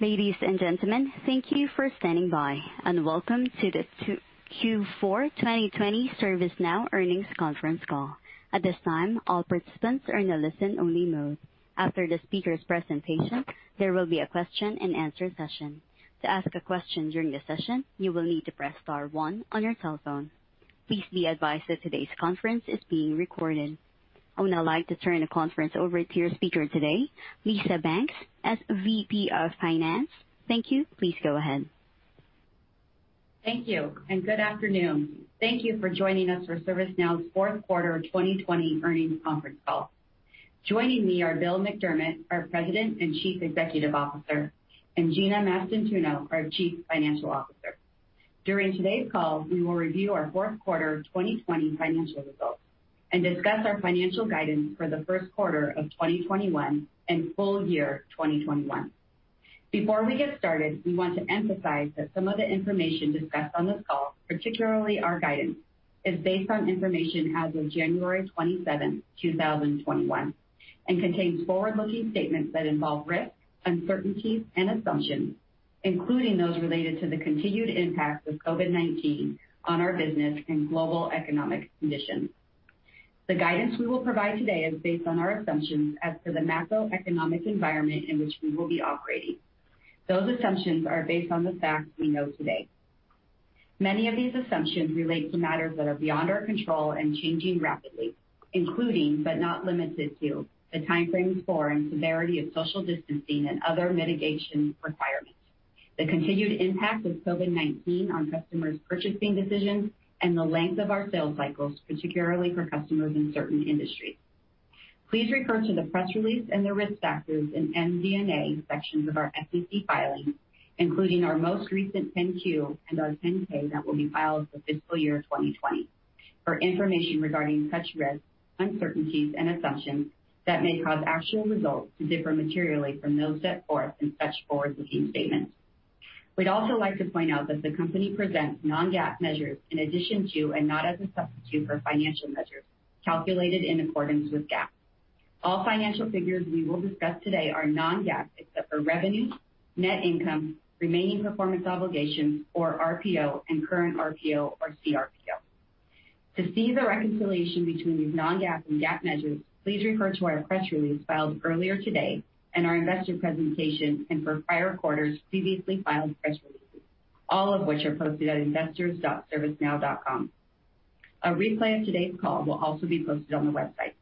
Ladies and gentlemen, thank you for standing by, and welcome to the Q4 2020 ServiceNow Earnings Conference Call. At this time, all participants are in a listen-only mode. After the speaker's presentation, there will be a question and answer session. To ask a question during the session, you will need to press star one on your telephone. Please be advised that today's conference is being recorded. I would now like to turn the conference over to your speaker today, Lisa Banks, as VP of Finance. Thank you. Please go ahead. Thank you, good afternoon. Thank you for joining us for ServiceNow's Fourth Quarter 2020 Earnings Conference Call. Joining me are Bill McDermott, our President and Chief Executive Officer, and Gina Mastantuono, our Chief Financial Officer. During today's call, we will review our fourth quarter 2020 financial results and discuss our financial guidance for the first quarter of 2021 and full year 2021. Before we get started, we want to emphasize that some of the information discussed on this call, particularly our guidance, is based on information as of January 27th, 2021 and contains forward-looking statements that involve risks, uncertainties, and assumptions, including those related to the continued impact of COVID-19 on our business and global economic conditions. The guidance we will provide today is based on our assumptions as to the macroeconomic environment in which we will be operating. Those assumptions are based on the facts we know today. Many of these assumptions relate to matters that are beyond our control and changing rapidly, including, but not limited to, the timeframes for and severity of social distancing and other mitigation requirements, the continued impact of COVID-19 on customers' purchasing decisions, and the length of our sales cycles, particularly for customers in certain industries. Please refer to the press release and the risk factors in MD&A sections of our SEC filings, including our most recent 10-Q and our 10-K that will be filed for fiscal year 2020 for information regarding such risks, uncertainties, and assumptions that may cause actual results to differ materially from those set forth in such forward-looking statements. We'd also like to point out that the company presents non-GAAP measures in addition to and not as a substitute for financial measures calculated in accordance with GAAP. All financial figures we will discuss today are non-GAAP except for revenue, net income, remaining performance obligations, or RPO, and current RPO or CRPO. To see the reconciliation between these non-GAAP and GAAP measures, please refer to our press release filed earlier today and our investor presentation, and for prior quarters, previously filed press releases, all of which are posted at investors.servicenow.com. A replay of today's call will also be posted on the website.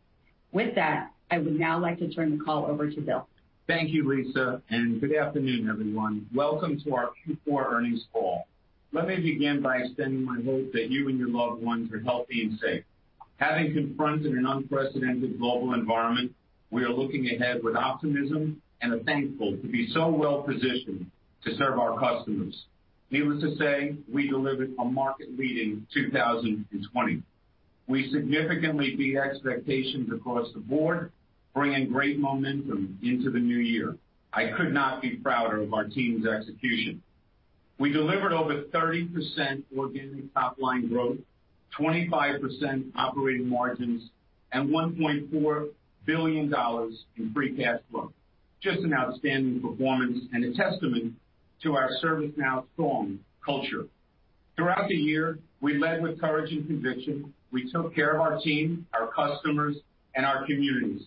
With that, I would now like to turn the call over to Bill. Thank you, Lisa, and good afternoon, everyone. Welcome to our Q4 earnings call. Let me begin by extending my hope that you and your loved ones are healthy and safe. Having confronted an unprecedented global environment, we are looking ahead with optimism and are thankful to be so well-positioned to serve our customers. Needless to say, we delivered a market-leading 2020. We significantly beat expectations across the board, bringing great momentum into the new year. I could not be prouder of our team's execution. We delivered over 30% organic top-line growth, 25% operating margins, and $1.4 billion in free cash flow. Just an outstanding performance and a testament to our ServiceNow strong culture. Throughout the year, we led with courage and conviction. We took care of our team, our customers, and our communities.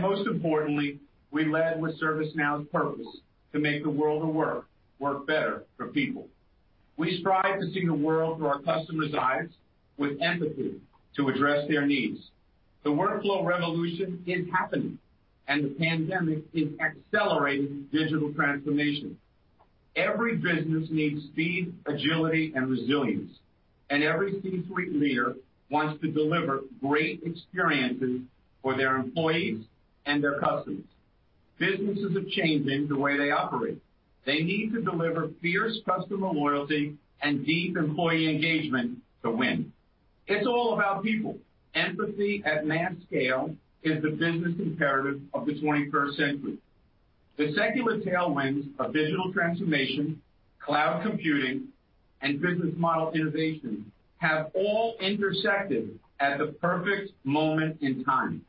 Most importantly, we led with ServiceNow's purpose, to make the world of work better for people. We strive to see the world through our customers' eyes with empathy to address their needs. The workflow revolution is happening. The pandemic is accelerating digital transformation. Every business needs speed, agility, and resilience. Every C-suite leader wants to deliver great experiences for their employees and their customers. Businesses are changing the way they operate. They need to deliver fierce customer loyalty and deep employee engagement to win. It's all about people. Empathy at mass scale is the business imperative of the 21st century. The secular tailwinds of digital transformation, cloud computing, and business model innovation have all intersected at the perfect moment in time.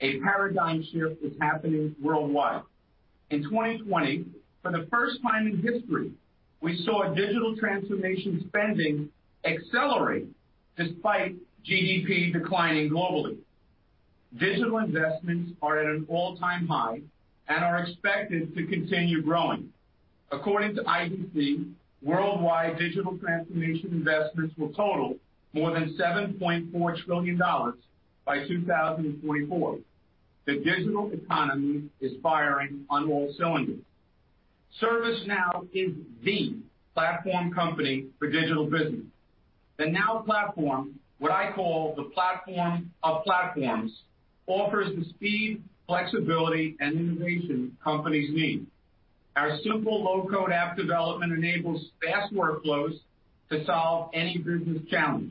A paradigm shift is happening worldwide. In 2020, for the first time in history, we saw digital transformation spending accelerate despite GDP declining globally. Digital investments are at an all-time high and are expected to continue growing. According to IDC, worldwide digital transformation investments will total more than $7.4 trillion by 2024. The digital economy is firing on all cylinders. ServiceNow is the platform company for digital business. The Now Platform, what I call the platform of platforms, offers the speed, flexibility, and innovation companies need. Our simple low-code app development enables fast workflows to solve any business challenge,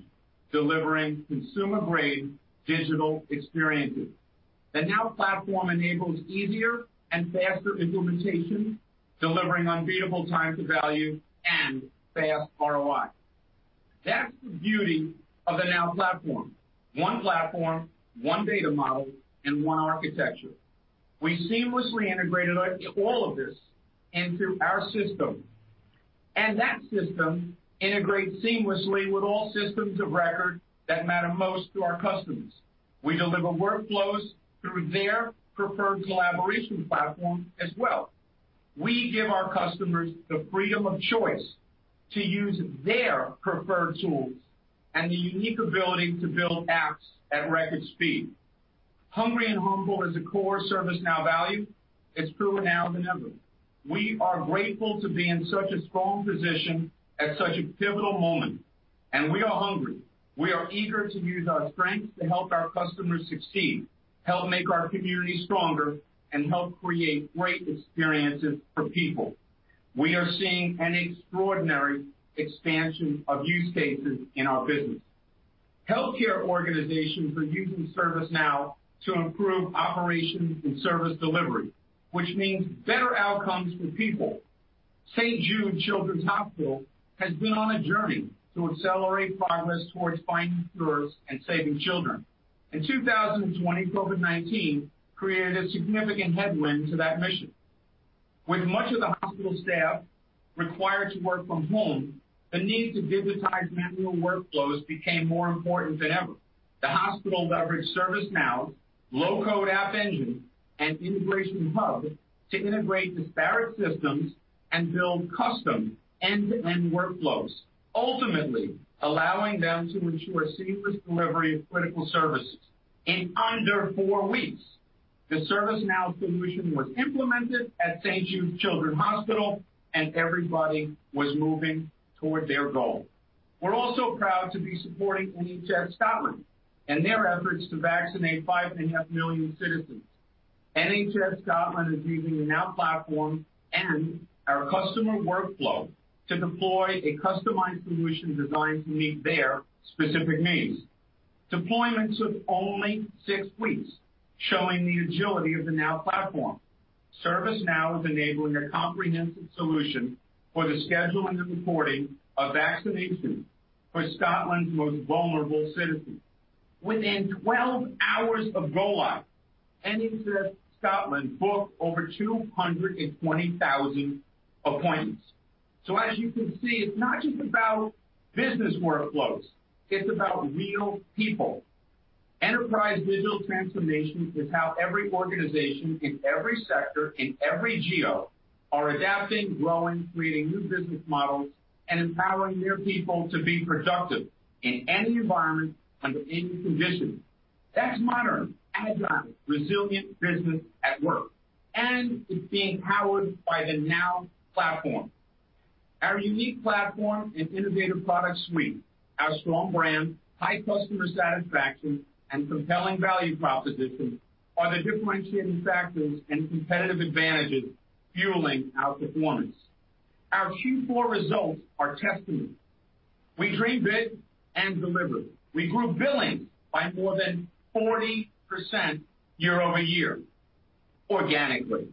delivering consumer-grade digital experiences. The Now Platform enables easier and faster implementation, delivering unbeatable time to value and fast ROI. That's the beauty of the Now Platform. One platform, one data model, and one architecture. We seamlessly integrated all of this into our system. That system integrates seamlessly with all systems of record that matter most to our customers. We deliver workflows through their preferred collaboration platform as well. We give our customers the freedom of choice to use their preferred tools and the unique ability to build apps at record speed. Hungry and humble is a core ServiceNow value. It's truer now than ever. We are grateful to be in such a strong position at such a pivotal moment. We are hungry. We are eager to use our strengths to help our customers succeed, help make our community stronger, and help create great experiences for people. We are seeing an extraordinary expansion of use cases in our business. Healthcare organizations are using ServiceNow to improve operations and service delivery, which means better outcomes for people. St. Jude Children's Research Hospital has been on a journey to accelerate progress towards finding cures and saving children. In 2020, COVID-19 created a significant headwind to that mission. With much of the hospital staff required to work from home, the need to digitize manual workflows became more important than ever. The hospital leveraged ServiceNow's low-code App Engine and Integration Hub to integrate disparate systems and build custom end-to-end workflows, ultimately allowing them to ensure seamless delivery of critical services. In under four weeks, the ServiceNow solution was implemented at St. Jude Children's Research Hospital, and everybody was moving toward their goal. We're also proud to be supporting NHS Scotland in their efforts to vaccinate 5.5 million citizens. NHS Scotland is using the Now Platform and our Customer Workflow to deploy a customized solution designed to meet their specific needs. Deployment took only six weeks, showing the agility of the Now Platform. ServiceNow is enabling a comprehensive solution for the scheduling and reporting of vaccinations for Scotland's most vulnerable citizens. Within 12 hours of rollout, NHS Scotland booked over 220,000 appointments. As you can see, it's not just about business workflows, it's about real people. Enterprise digital transformation is how every organization in every sector, in every geo are adapting, growing, creating new business models, and empowering their people to be productive in any environment under any condition. That's modern, agile, resilient business at work, and it's being powered by the Now Platform. Our unique platform and innovative product suite, our strong brand, high customer satisfaction, and compelling value proposition are the differentiating factors and competitive advantages fueling our performance. Our Q4 results are testament. We dreamed big and delivered. We grew billing by more than 40% year-over-year organically.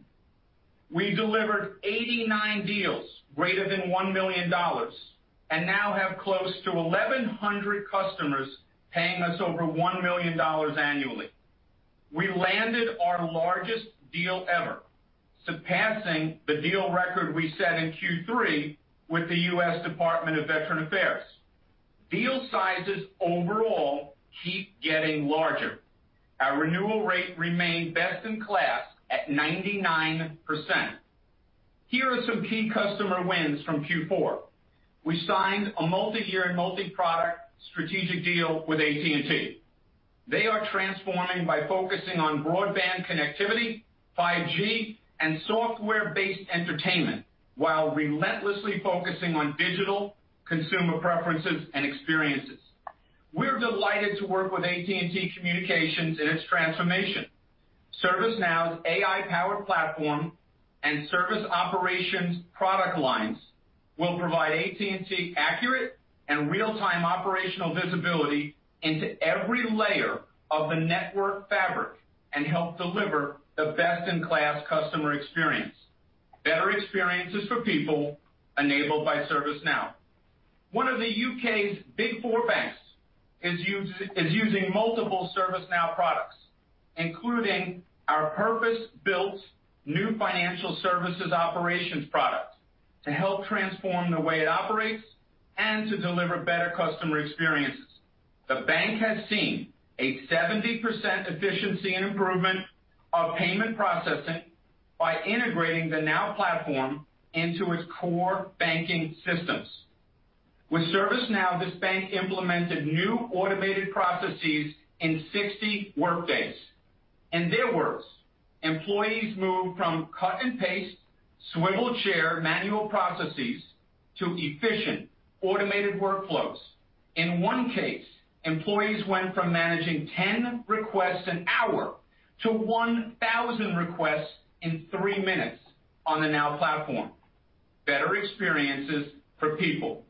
We delivered 89 deals greater than $1 million, and now have close to 1,100 customers paying us over $1 million annually. We landed our largest deal ever, surpassing the deal record we set in Q3 with the US Department of Veterans Affairs. Deal sizes overall keep getting larger. Our renewal rate remained best in class at 99%. Here are some key customer wins from Q4. We signed a multi-year and multi-product strategic deal with AT&T. They are transforming by focusing on broadband connectivity, 5G, and software-based entertainment, while relentlessly focusing on digital consumer preferences and experiences. We're delighted to work with AT&T Communications in its transformation. ServiceNow's AI-powered platform and service operations product lines will provide AT&T accurate and real-time operational visibility into every layer of the network fabric and help deliver the best-in-class customer experience. Better experiences for people enabled by ServiceNow. One of the U.K.'s Big Four banks is using multiple ServiceNow products, including our purpose-built new financial services operations product, to help transform the way it operates and to deliver better customer experiences. The bank has seen a 70% efficiency and improvement of payment processing by integrating the Now Platform into its core banking systems. With ServiceNow, this bank implemented new automated processes in 60 workdays. In their words, "Employees moved from cut-and-paste, swivel chair manual processes to efficient automated workflows." In one case, employees went from managing 10 requests an hour to 1,000 requests in three minutes on the Now Platform. Better experiences for people.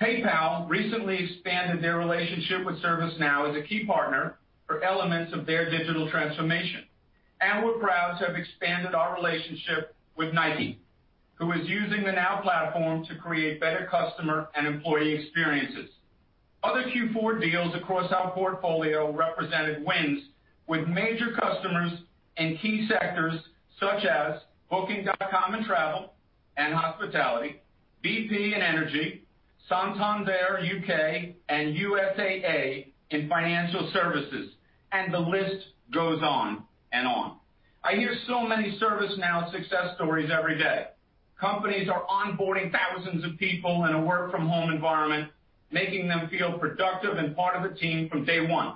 PayPal recently expanded their relationship with ServiceNow as a key partner for elements of their digital transformation. We're proud to have expanded our relationship with Nike, who is using the Now Platform to create better customer and employee experiences. Other Q4 deals across our portfolio represented wins with major customers in key sectors such as Booking.com in travel and hospitality, BP in energy, Santander UK, and USAA in financial services, and the list goes on and on. I hear so many ServiceNow success stories every day. Companies are onboarding thousands of people in a work-from-home environment, making them feel productive and part of a team from day one.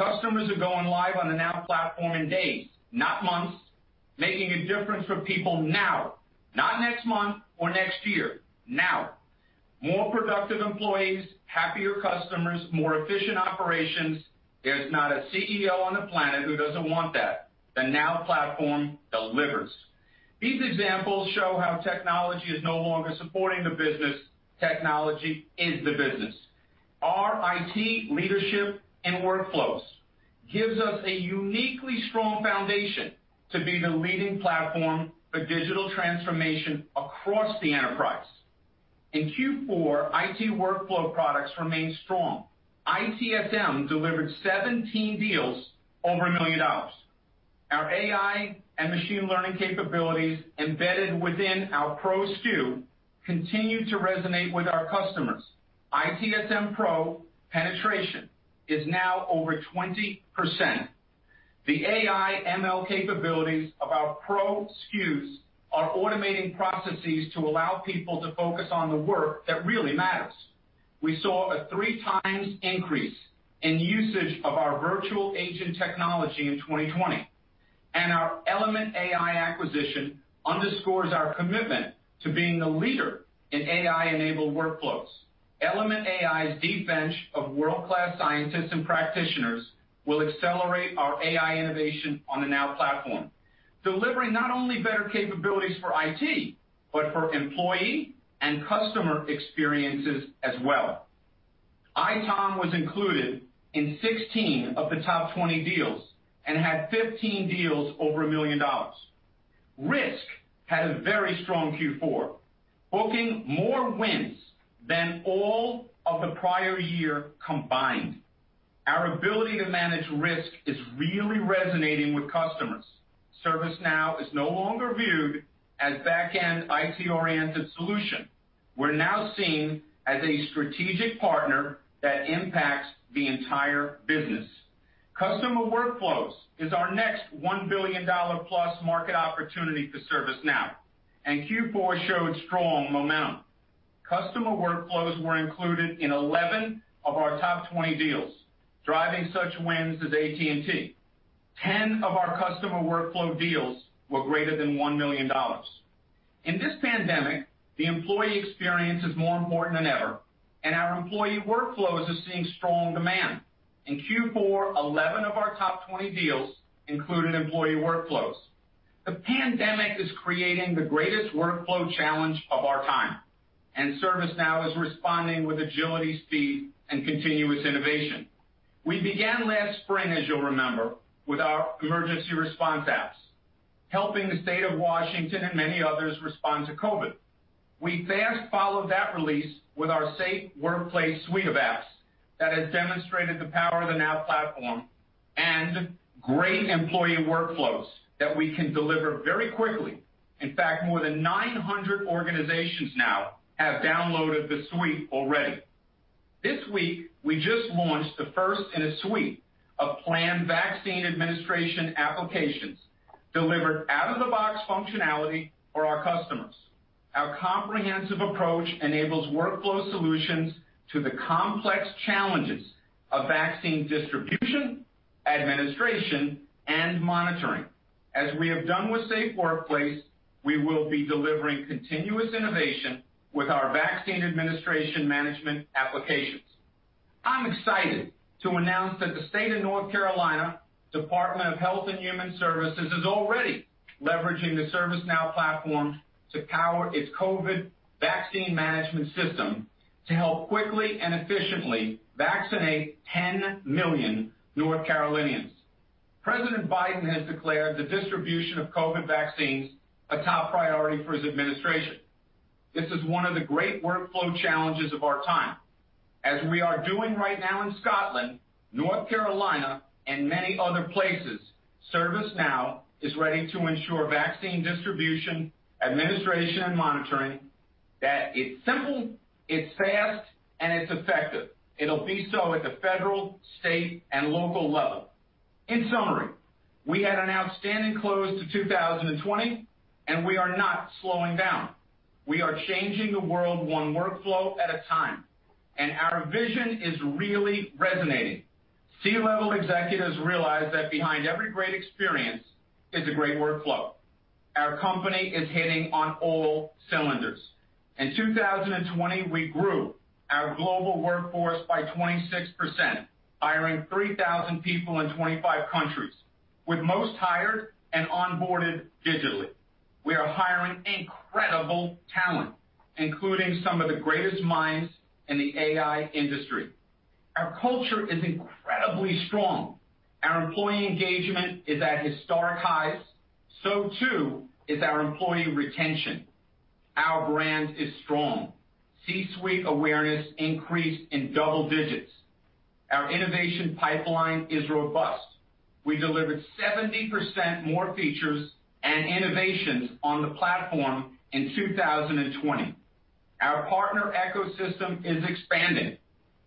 Customers are going live on the Now Platform in days, not months, making a difference for people now. Not next month or next year, now. More productive employees, happier customers, more efficient operations. There's not a CEO on the planet who doesn't want that. The Now Platform delivers. These examples show how technology is no longer supporting the business. Technology is the business. Our IT leadership and workflows gives us a uniquely strong foundation to be the leading platform for digital transformation across the enterprise. In Q4, IT workflow products remained strong. ITSM delivered 17 deals over $1 million. Our AI and machine learning capabilities embedded within our Pro SKU continue to resonate with our customers. ITSM Pro penetration is now over 20%. The AI ML capabilities of our Pro SKUs are automating processes to allow people to focus on the work that really matters. We saw a three times increase in usage of our virtual agent technology in 2020, and our Element AI acquisition underscores our commitment to being the leader in AI-enabled workflows. Element AI's deep bench of world-class scientists and practitioners will accelerate our AI innovation on the Now Platform, delivering not only better capabilities for IT, but for employee and customer experiences as well. ITOM was included in 16 of the top 20 deals and had 15 deals over $1 million. Risk had a very strong Q4, booking more wins than all of the prior year combined. Our ability to manage risk is really resonating with customers. ServiceNow is no longer viewed as back-end IT-oriented solution. We're now seen as a strategic partner that impacts the entire business. Customer Workflows is our next $1 billion-plus market opportunity for ServiceNow. Q4 showed strong momentum. Customer Workflows were included in 11 of our top 20 deals, driving such wins as AT&T. 10 of our Customer Workflow deals were greater than $1 million. In this pandemic, the employee experience is more important than ever, and our employee workflows are seeing strong demand. In Q4, 11 of our top 20 deals included employee workflows. The pandemic is creating the greatest workflow challenge of our time. ServiceNow is responding with agility, speed, and continuous innovation. We began last spring, as you'll remember, with our emergency response apps, helping the state of Washington and many others respond to COVID. We fast followed that release with our Safe Workplace suite of apps that has demonstrated the power of the Now Platform and great employee workflows that we can deliver very quickly. In fact, more than 900 organizations now have downloaded the suite already. This week, we just launched the first in a suite of planned vaccine administration applications, delivered out-of-the-box functionality for our customers. Our comprehensive approach enables workflow solutions to the complex challenges of vaccine distribution, administration, and monitoring. As we have done with Safe Workplace, we will be delivering continuous innovation with our vaccine administration management applications. I'm excited to announce that the State of North Carolina Department of Health and Human Services is already leveraging the ServiceNow platform to power its COVID vaccine management system to help quickly and efficiently vaccinate 10 million North Carolinians. President Biden has declared the distribution of COVID vaccines a top priority for his administration. This is one of the great workflow challenges of our time. As we are doing right now in Scotland, North Carolina, and many other places, ServiceNow is ready to ensure vaccine distribution, administration, and monitoring, that it's simple, it's fast, and it's effective. It'll be so at the federal, state, and local level. In summary, we had an outstanding close to 2020, and we are not slowing down. We are changing the world one workflow at a time, and our vision is really resonating. C-level executives realize that behind every great experience is a great workflow. Our company is hitting on all cylinders. In 2020, we grew our global workforce by 26%, hiring 3,000 people in 25 countries, with most hired and onboarded digitally. We are hiring incredible talent, including some of the greatest minds in the AI industry. Our culture is incredibly strong. Our employee engagement is at historic highs, so too is our employee retention. Our brand is strong. C-suite awareness increased in double digits. Our innovation pipeline is robust. We delivered 70% more features and innovations on the platform in 2020. Our partner ecosystem is expanding.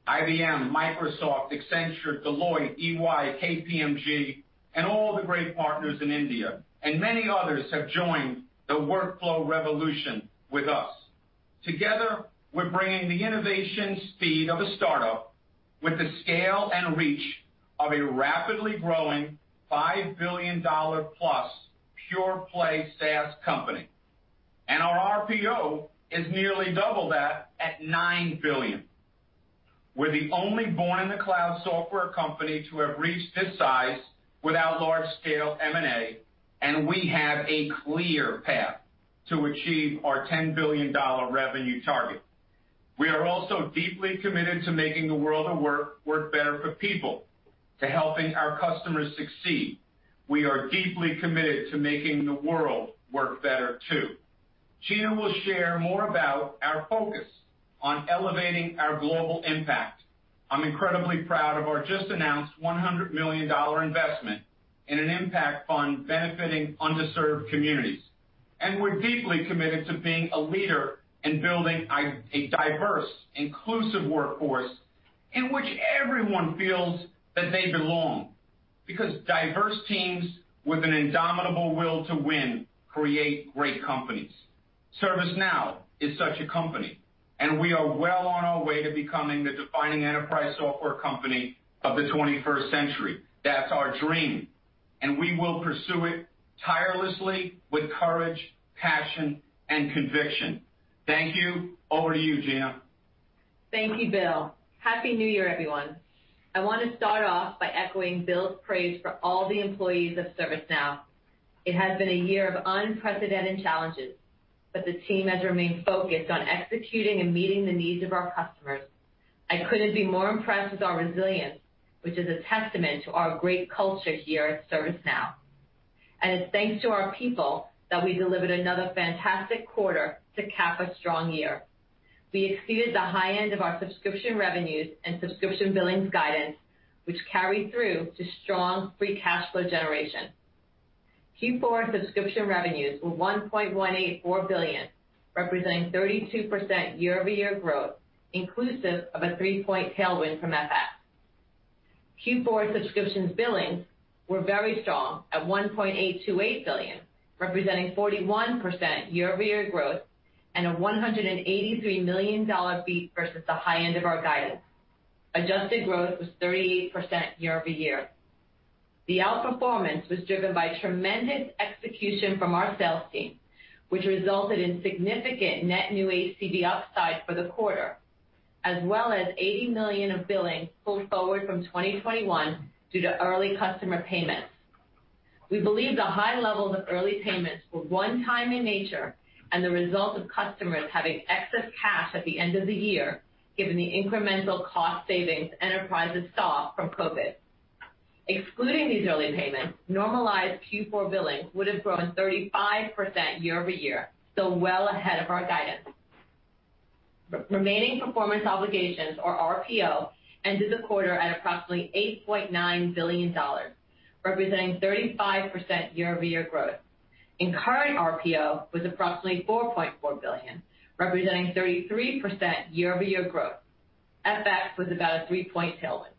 IBM, Microsoft, Accenture, Deloitte, EY, KPMG, and all the great partners in India and many others have joined the workflow revolution with us. Together, we're bringing the innovation speed of a startup with the scale and reach of a rapidly growing $5 billion-plus pure play SaaS company. Our RPO is nearly double that at $9 billion. We're the only born-in-the-cloud software company to have reached this size without large scale M&A, and we have a clear path to achieve our $10 billion revenue target. We are also deeply committed to making the world of work better for people, to helping our customers succeed. We are deeply committed to making the world work better too. Gina will share more about our focus on elevating our global impact. I'm incredibly proud of our just announced $100 million investment in an impact fund benefiting underserved communities, and we're deeply committed to being a leader in building a diverse, inclusive workforce in which everyone feels that they belong. Diverse teams with an indomitable will to win, create great companies. ServiceNow is such a company, and we are well on our way to becoming the defining enterprise software company of the 21st century. That's our dream, and we will pursue it tirelessly with courage, passion, and conviction. Thank you. Over to you, Gina. Thank you, Bill. Happy New Year, everyone. I want to start off by echoing Bill's praise for all the employees of ServiceNow. The team has remained focused on executing and meeting the needs of our customers. I couldn't be more impressed with our resilience, which is a testament to our great culture here at ServiceNow. It's thanks to our people that we delivered another fantastic quarter to cap a strong year. We exceeded the high end of our subscription revenues and subscription billings guidance, which carried through to strong free cash flow generation. Q4 subscription revenues were $1.184 billion, representing 32% year-over-year growth, inclusive of a three-point tailwind from FX. Q4 subscriptions billings were very strong at $1.828 billion, representing 41% year-over-year growth and a $183 million beat versus the high end of our guidance. Adjusted growth was 38% year-over-year. The outperformance was driven by tremendous execution from our sales team, which resulted in significant net new ACV upside for the quarter, as well as $80 million of billing pulled forward from 2021 due to early customer payments. We believe the high levels of early payments were one time in nature and the result of customers having excess cash at the end of the year, given the incremental cost savings enterprises saw from COVID. Excluding these early payments, normalized Q4 billing would have grown 35% year-over-year, still well ahead of our guidance. Remaining performance obligations or RPO ended the quarter at approximately $8.9 billion, representing 35% year-over-year growth. Incurring RPO was approximately $4.4 billion, representing 33% year-over-year growth. FX was about a three-point tailwind.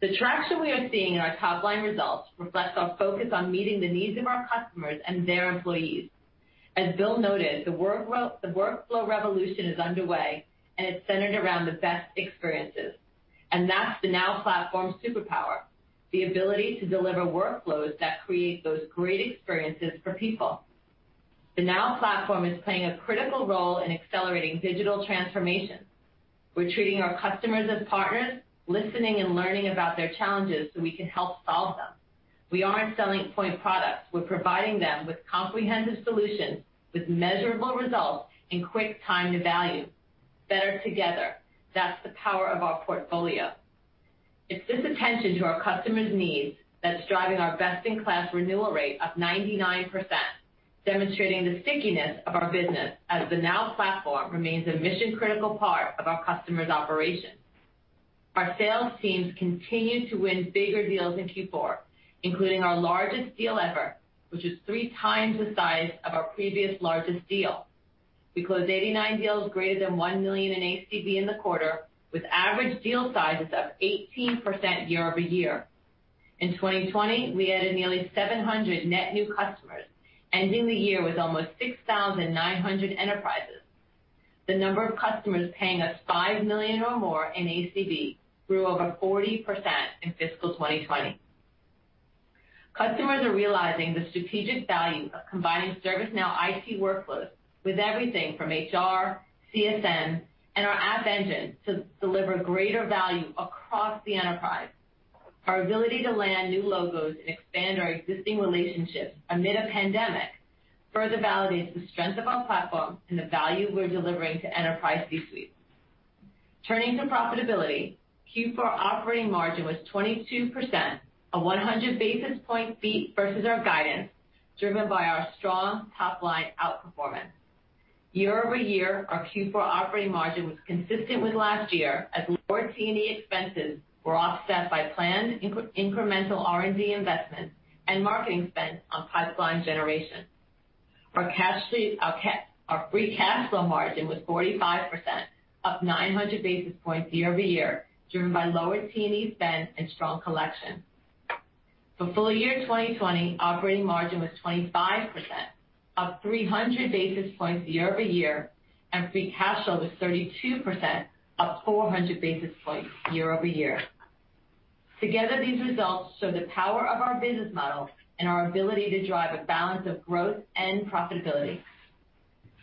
The traction we are seeing in our top-line results reflects our focus on meeting the needs of our customers and their employees. As Bill noted, the workflow revolution is underway and it's centered around the best experiences. That's the Now Platform's superpower, the ability to deliver workflows that create those great experiences for people. The Now Platform is playing a critical role in accelerating digital transformation. We're treating our customers as partners, listening and learning about their challenges so we can help solve them. We aren't selling point products. We're providing them with comprehensive solutions, with measurable results and quick time to value. Better together, that's the power of our portfolio. It's this attention to our customers' needs that's driving our best-in-class renewal rate of 99%, demonstrating the stickiness of our business as the Now Platform remains a mission-critical part of our customers' operations. Our sales teams continue to win bigger deals in Q4, including our largest deal ever, which is three times the size of our previous largest deal. We closed 89 deals greater than $1 million in ACV in the quarter, with average deal sizes up 18% year-over-year. In 2020, we added nearly 700 net new customers, ending the year with almost 6,900 enterprises. The number of customers paying us $5 million or more in ACV grew over 40% in fiscal 2020. Customers are realizing the strategic value of combining ServiceNow IT workflows with everything from HR, CSM, and our App Engine to deliver greater value across the enterprise. Our ability to land new logos and expand our existing relationships amid a pandemic further validates the strength of our platform and the value we're delivering to enterprise C-suites. Turning to profitability, Q4 operating margin was 22%, a 100 basis point beat versus our guidance, driven by our strong top-line outperformance. Year-over-year, our Q4 operating margin was consistent with last year, as lower T&E expenses were offset by planned incremental R&D investments and marketing spend on pipeline generation. Our free cash flow margin was 45%, up 900 basis points year-over-year, driven by lower T&E spend and strong collection. For full year 2020, operating margin was 25%, up 300 basis points year-over-year, and free cash flow was 32%, up 400 basis points year-over-year. Together, these results show the power of our business model and our ability to drive a balance of growth and profitability.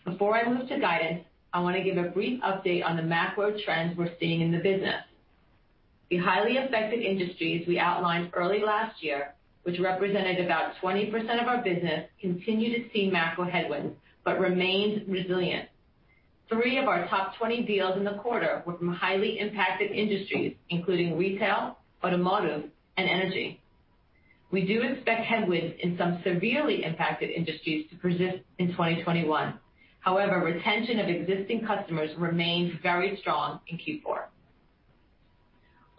Before I move to guidance, I want to give a brief update on the macro trends we're seeing in the business. The highly affected industries we outlined early last year, which represented about 20% of our business, continue to see macro headwinds, but remained resilient. Three of our top 20 deals in the quarter were from highly impacted industries, including retail, automotive, and energy. We do expect headwinds in some severely impacted industries to persist in 2021. Retention of existing customers remained very strong in Q4.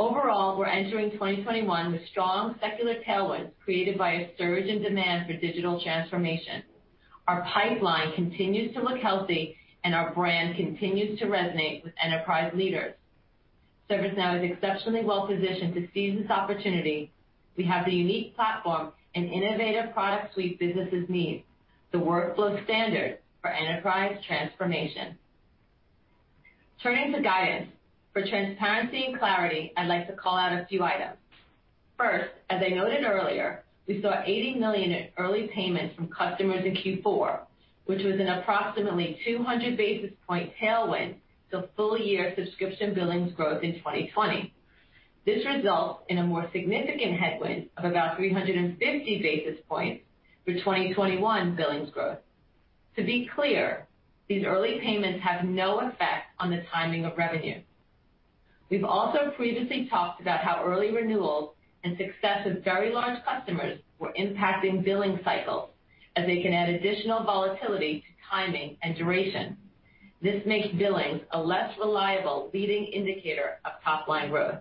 We're entering 2021 with strong secular tailwinds created by a surge in demand for digital transformation. Our pipeline continues to look healthy and our brand continues to resonate with enterprise leaders. ServiceNow is exceptionally well-positioned to seize this opportunity. We have the unique platform and innovative product suite businesses need, the workflow standard for enterprise transformation. Turning to guidance. For transparency and clarity, I'd like to call out a few items. As I noted earlier, we saw $80 million in early payments from customers in Q4, which was an approximately 200 basis point tailwind to full-year subscription billings growth in 2020. This results in a more significant headwind of about 350 basis points for 2021 billings growth. To be clear, these early payments have no effect on the timing of revenue. We've also previously talked about how early renewals and success with very large customers were impacting billing cycles, as they can add additional volatility to timing and duration. This makes billings a less reliable leading indicator of top-line growth.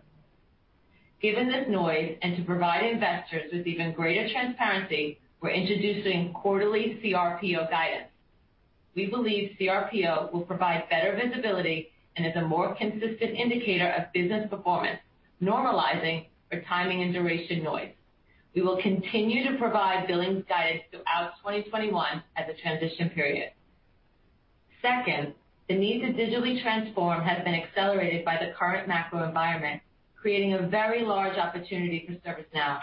Given this noise, and to provide investors with even greater transparency, we're introducing quarterly CRPO guidance. We believe CRPO will provide better visibility and is a more consistent indicator of business performance, normalizing for timing and duration noise. We will continue to provide billings guidance throughout 2021 as a transition period. Second, the need to digitally transform has been accelerated by the current macro environment, creating a very large opportunity for ServiceNow.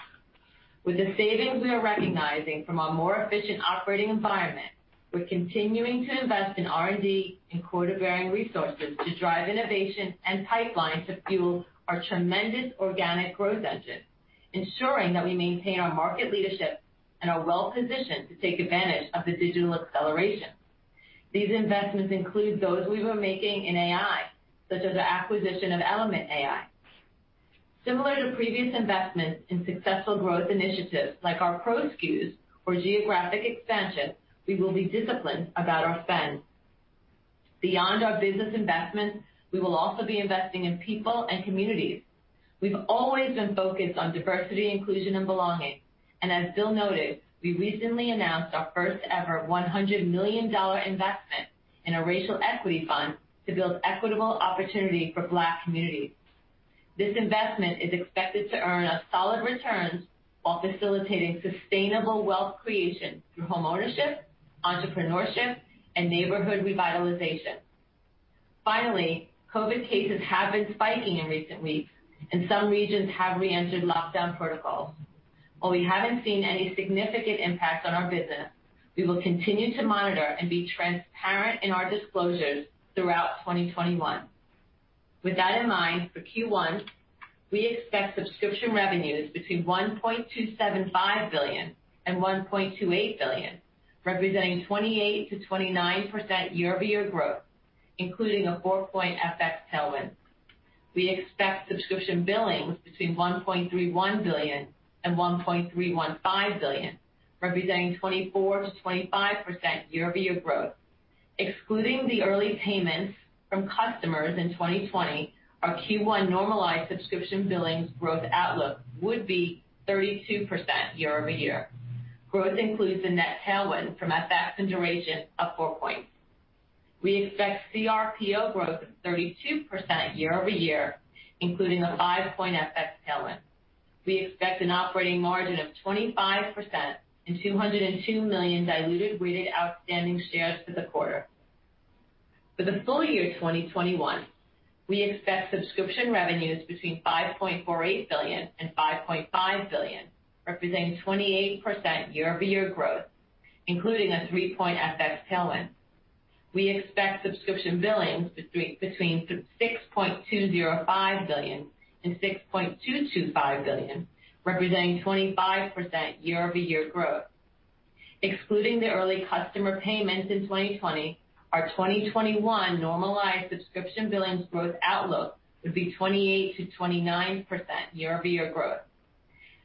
With the savings we are recognizing from a more efficient operating environment, we're continuing to invest in R&D and quota-bearing resources to drive innovation and pipeline to fuel our tremendous organic growth engine, ensuring that we maintain our market leadership and are well-positioned to take advantage of the digital acceleration. These investments include those we were making in AI, such as the acquisition of Element AI. Similar to previous investments in successful growth initiatives like our pro SKUs or geographic expansion, we will be disciplined about our spend. Beyond our business investments, we will also be investing in people and communities. We've always been focused on diversity, inclusion, and belonging. As Bill noted, we recently announced our first ever $100 million investment in a racial equity fund to build equitable opportunity for Black communities. This investment is expected to earn us solid returns while facilitating sustainable wealth creation through home ownership, entrepreneurship, and neighborhood revitalization. Finally, COVID cases have been spiking in recent weeks, and some regions have reentered lockdown protocols. While we haven't seen any significant impact on our business, we will continue to monitor and be transparent in our disclosures throughout 2021. With that in mind, for Q1, we expect subscription revenues between $1.275 billion and $1.28 billion, representing 28%-29% year-over-year growth, including a four-point FX tailwind. We expect subscription billings between $1.31 billion and $1.315 billion, representing 24%-25% year-over-year growth. Excluding the early payments from customers in 2020, our Q1 normalized subscription billings growth outlook would be 32% year-over-year. Growth includes a net tailwind from FX and duration of four points. We expect CRPO growth of 32% year-over-year, including a five-point FX tailwind. We expect an operating margin of 25% and 202 million diluted weighted outstanding shares for the quarter. For the full year 2021, we expect subscription revenues between $5.48 billion and $5.5 billion, representing 28% year-over-year growth, including a three-point FX tailwind. We expect subscription billings between $6.205 billion and $6.225 billion, representing 25% year-over-year growth. Excluding the early customer payments in 2020, our 2021 normalized subscription billings growth outlook would be 28%-29% year-over-year growth.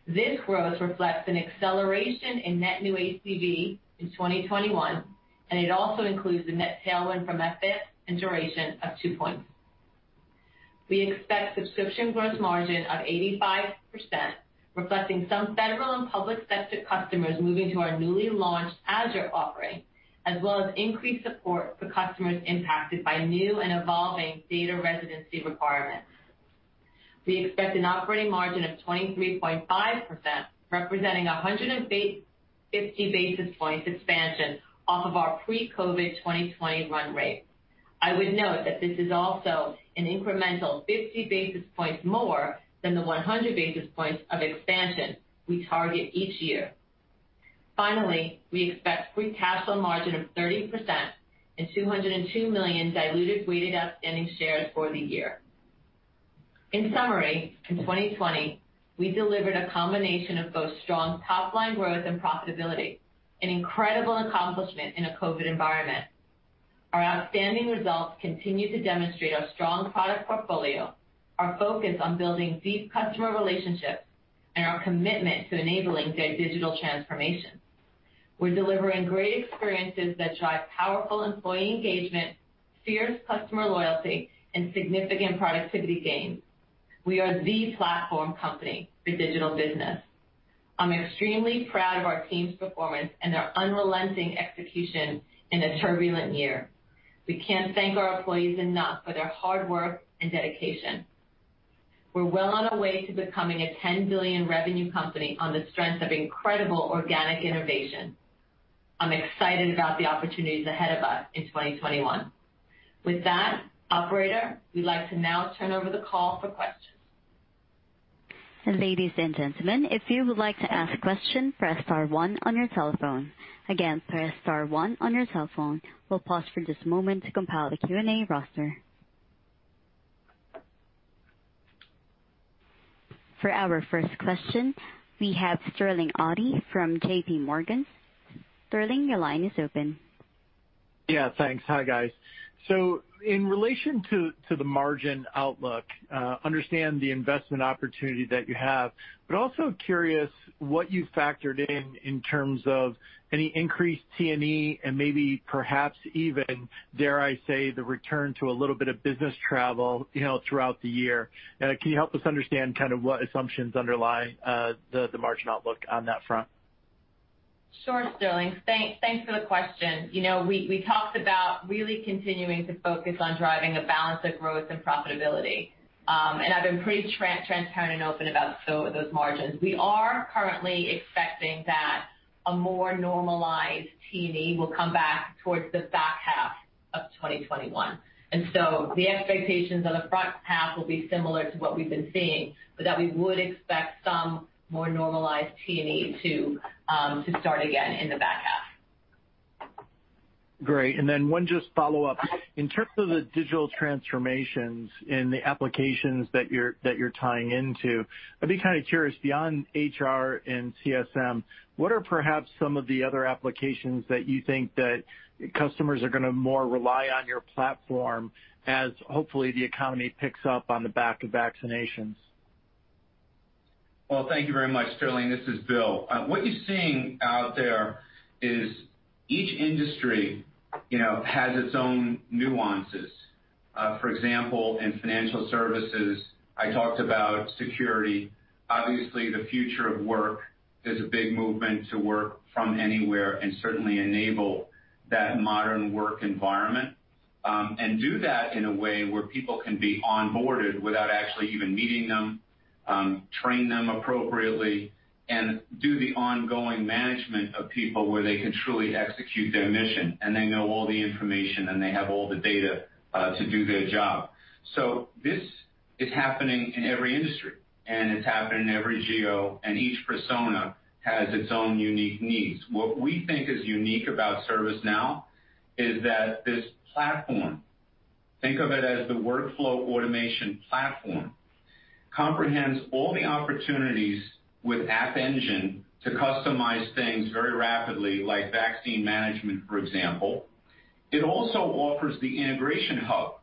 This growth reflects an acceleration in net new ACV in 2021, and it also includes a net tailwind from FX and duration of two points. We expect subscription gross margin of 85%, reflecting some federal and public sector customers moving to our newly launched Azure offering, as well as increased support for customers impacted by new and evolving data residency requirements. We expect an operating margin of 23.5%, representing 150 basis points expansion off of our pre-COVID 2020 run rate. I would note that this is also an incremental 50 basis points more than the 100 basis points of expansion we target each year. Finally, we expect free cash flow margin of 30% and 202 million diluted weighted outstanding shares for the year. In summary, in 2020, we delivered a combination of both strong top-line growth and profitability, an incredible accomplishment in a COVID environment. Our outstanding results continue to demonstrate our strong product portfolio, our focus on building deep customer relationships, and our commitment to enabling their digital transformation. We're delivering great experiences that drive powerful employee engagement, fierce customer loyalty, and significant productivity gains. We are the platform company for digital business. I'm extremely proud of our team's performance and their unrelenting execution in a turbulent year. We can't thank our employees enough for their hard work and dedication. We're well on our way to becoming a $10 billion revenue company on the strength of incredible organic innovation. I'm excited about the opportunities ahead of us in 2021. With that, operator, we'd like to now turn over the call for questions. For our first question, we have Sterling Auty from JP Morgan. Sterling, your line is open. Yeah, thanks. Hi, guys. In relation to the margin outlook, understand the investment opportunity that you have, but also curious what you factored in in terms of any increased T&E and maybe perhaps even, dare I say, the return to a little bit of business travel throughout the year. Can you help us understand kind of what assumptions underlie the margin outlook on that front? Sure, Sterling. Thanks for the question. We talked about really continuing to focus on driving a balance of growth and profitability. I've been pretty transparent and open about those margins. We are currently expecting that a more normalized T&E will come back towards the back half of 2021. The expectations on the front half will be similar to what we've been seeing, but that we would expect some more normalized T&E to start again in the back half. Great. One just follow-up. In terms of the digital transformations and the applications that you're tying into, I'd be kind of curious, beyond HR and CSM, what are perhaps some of the other applications that you think that customers are going to more rely on your platform as hopefully the economy picks up on the back of vaccinations? Well, thank you very much, Sterling. This is Bill. What you're seeing out there is each industry has its own nuances. For example, in financial services, I talked about security. Obviously, the future of work, there's a big movement to work from anywhere and certainly enable that modern work environment. Do that in a way where people can be onboarded without actually even meeting them, train them appropriately, and do the ongoing management of people where they can truly execute their mission, and they know all the information, and they have all the data to do their job. This is happening in every industry, and it's happening in every geo, and each persona has its own unique needs. What we think is unique about ServiceNow is that this platform, think of it as the workflow automation platform, comprehends all the opportunities with App Engine to customize things very rapidly, like vaccine management, for example. It also offers the Integration Hub.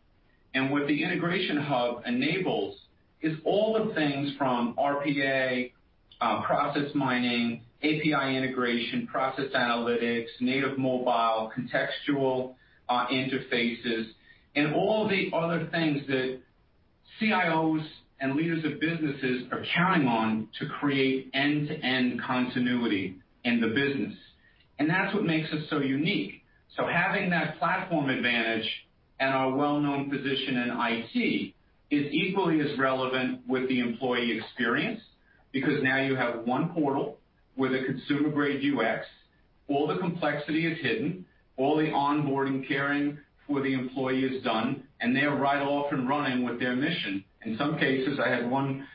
What the Integration Hub enables is all the things from RPA, process mining, API integration, process analytics, native mobile, contextual interfaces, and all the other things that CIOs and leaders of businesses are counting on to create end-to-end continuity in the business. That's what makes us so unique. Having that platform advantage and our well-known position in IT is equally as relevant with the employee experience, because now you have one portal with a consumer-grade UX. All the complexity is hidden, all the onboarding caring for the employee is done, and they are right off and running with their mission. In some cases, I had one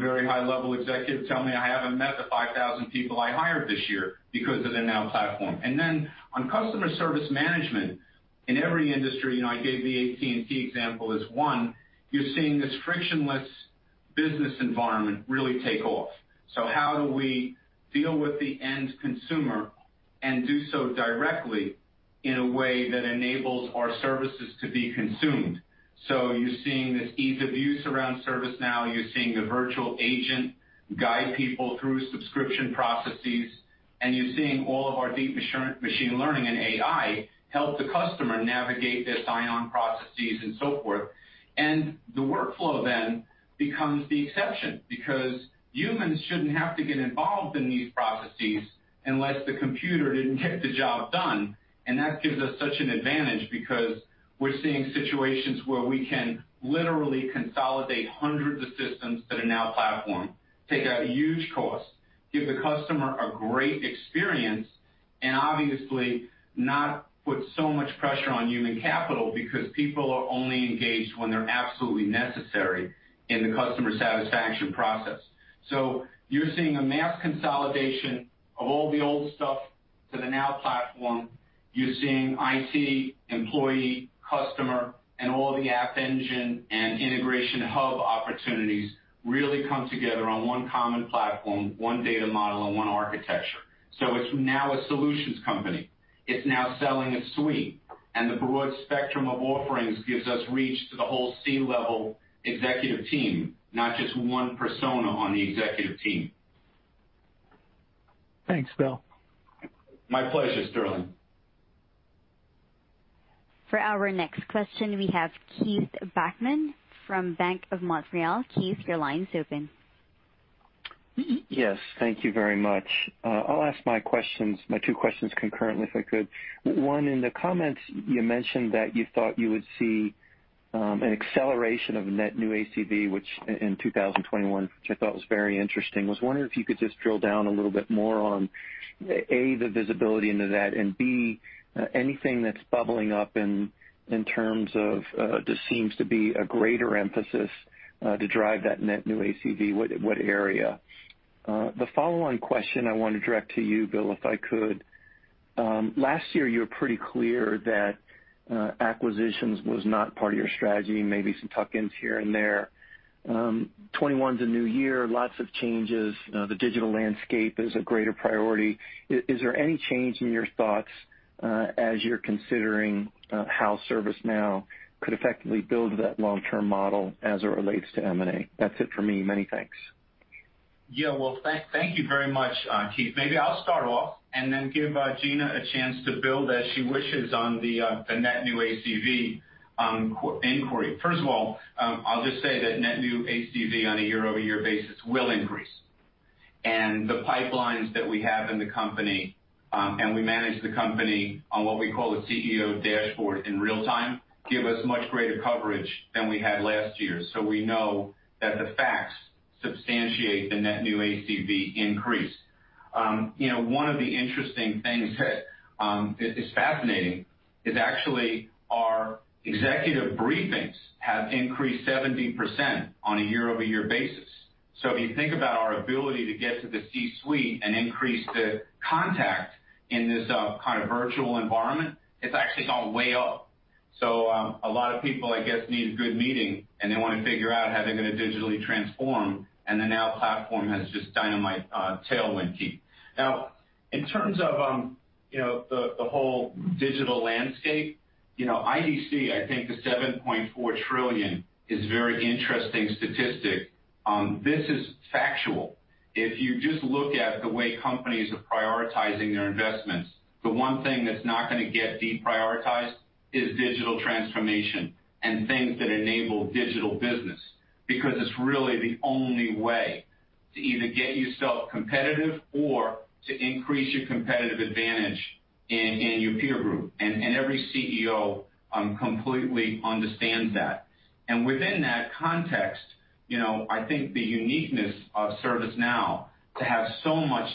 very high-level executive tell me, "I haven't met the 5,000 people I hired this year because of the Now Platform." On Customer Service Management, in every industry, and I gave the AT&T example as one, you're seeing this frictionless business environment really take off. How do we deal with the end consumer and do so directly in a way that enables our services to be consumed? You're seeing this ease of use around ServiceNow. You're seeing the virtual agent guide people through subscription processes. You're seeing all of our deep machine learning and AI help the customer navigate their sign-on processes and so forth. The workflow then becomes the exception because humans shouldn't have to get involved in these processes unless the computer didn't get the job done. That gives us such an advantage because we're seeing situations where we can literally consolidate hundreds of systems that are Now Platform, take out a huge cost, give the customer a great experience, and obviously not put so much pressure on human capital because people are only engaged when they're absolutely necessary in the customer satisfaction process. You're seeing a mass consolidation of all the old stuff to the Now Platform. You're seeing IT, employee, customer, and all the App Engine and Integration Hub opportunities really come together on one common platform, one data model, and one architecture. It's now a solutions company. It's now selling a suite, and the broad spectrum of offerings gives us reach to the whole C-level executive team, not just one persona on the executive team. Thanks, Bill. My pleasure, Sterling. For our next question, we have Keith Bachman from Bank of Montreal. Keith, your line's open. Yes, thank you very much. I'll ask my two questions concurrently if I could. One, in the comments, you mentioned that you thought you would see an acceleration of net new ACV in 2021, which I thought was very interesting. Was wondering if you could just drill down a little bit more on, A, the visibility into that, and B, anything that's bubbling up in terms of there seems to be a greater emphasis to drive that net new ACV. What area? The follow-on question I want to direct to you, Bill, if I could. Last year you were pretty clear that acquisitions was not part of your strategy, maybe some tuck-ins here and there. 2021's a new year, lots of changes. The digital landscape is a greater priority. Is there any change in your thoughts as you're considering how ServiceNow could effectively build that long-term model as it relates to M&A? That's it for me. Many thanks. Well, thank you very much, Keith. Maybe I'll start off and then give Gina a chance to build as she wishes on the net new ACV inquiry. First of all, I'll just say that net new ACV on a year-over-year basis will increase. The pipelines that we have in the company, and we manage the company on what we call the CEO dashboard in real time, give us much greater coverage than we had last year. We know that the facts substantiate the net new ACV increase. One of the interesting things that is fascinating is actually our executive briefings have increased 70% on a year-over-year basis. If you think about our ability to get to the C-suite and increase the contact in this kind of virtual environment, it's actually gone way up. A lot of people, I guess, need a good meeting, and they want to figure out how they're going to digitally transform, and the Now Platform has just dynamite tailwind, Keith. In terms of the whole digital landscape, IDC, I think the $7.4 trillion is a very interesting statistic. This is factual. If you just look at the way companies are prioritizing their investments, the one thing that's not going to get deprioritized is digital transformation and things that enable digital business because it's really the only way to either get yourself competitive or to increase your competitive advantage in your peer group. Every CEO completely understands that. Within that context, I think the uniqueness of ServiceNow to have so much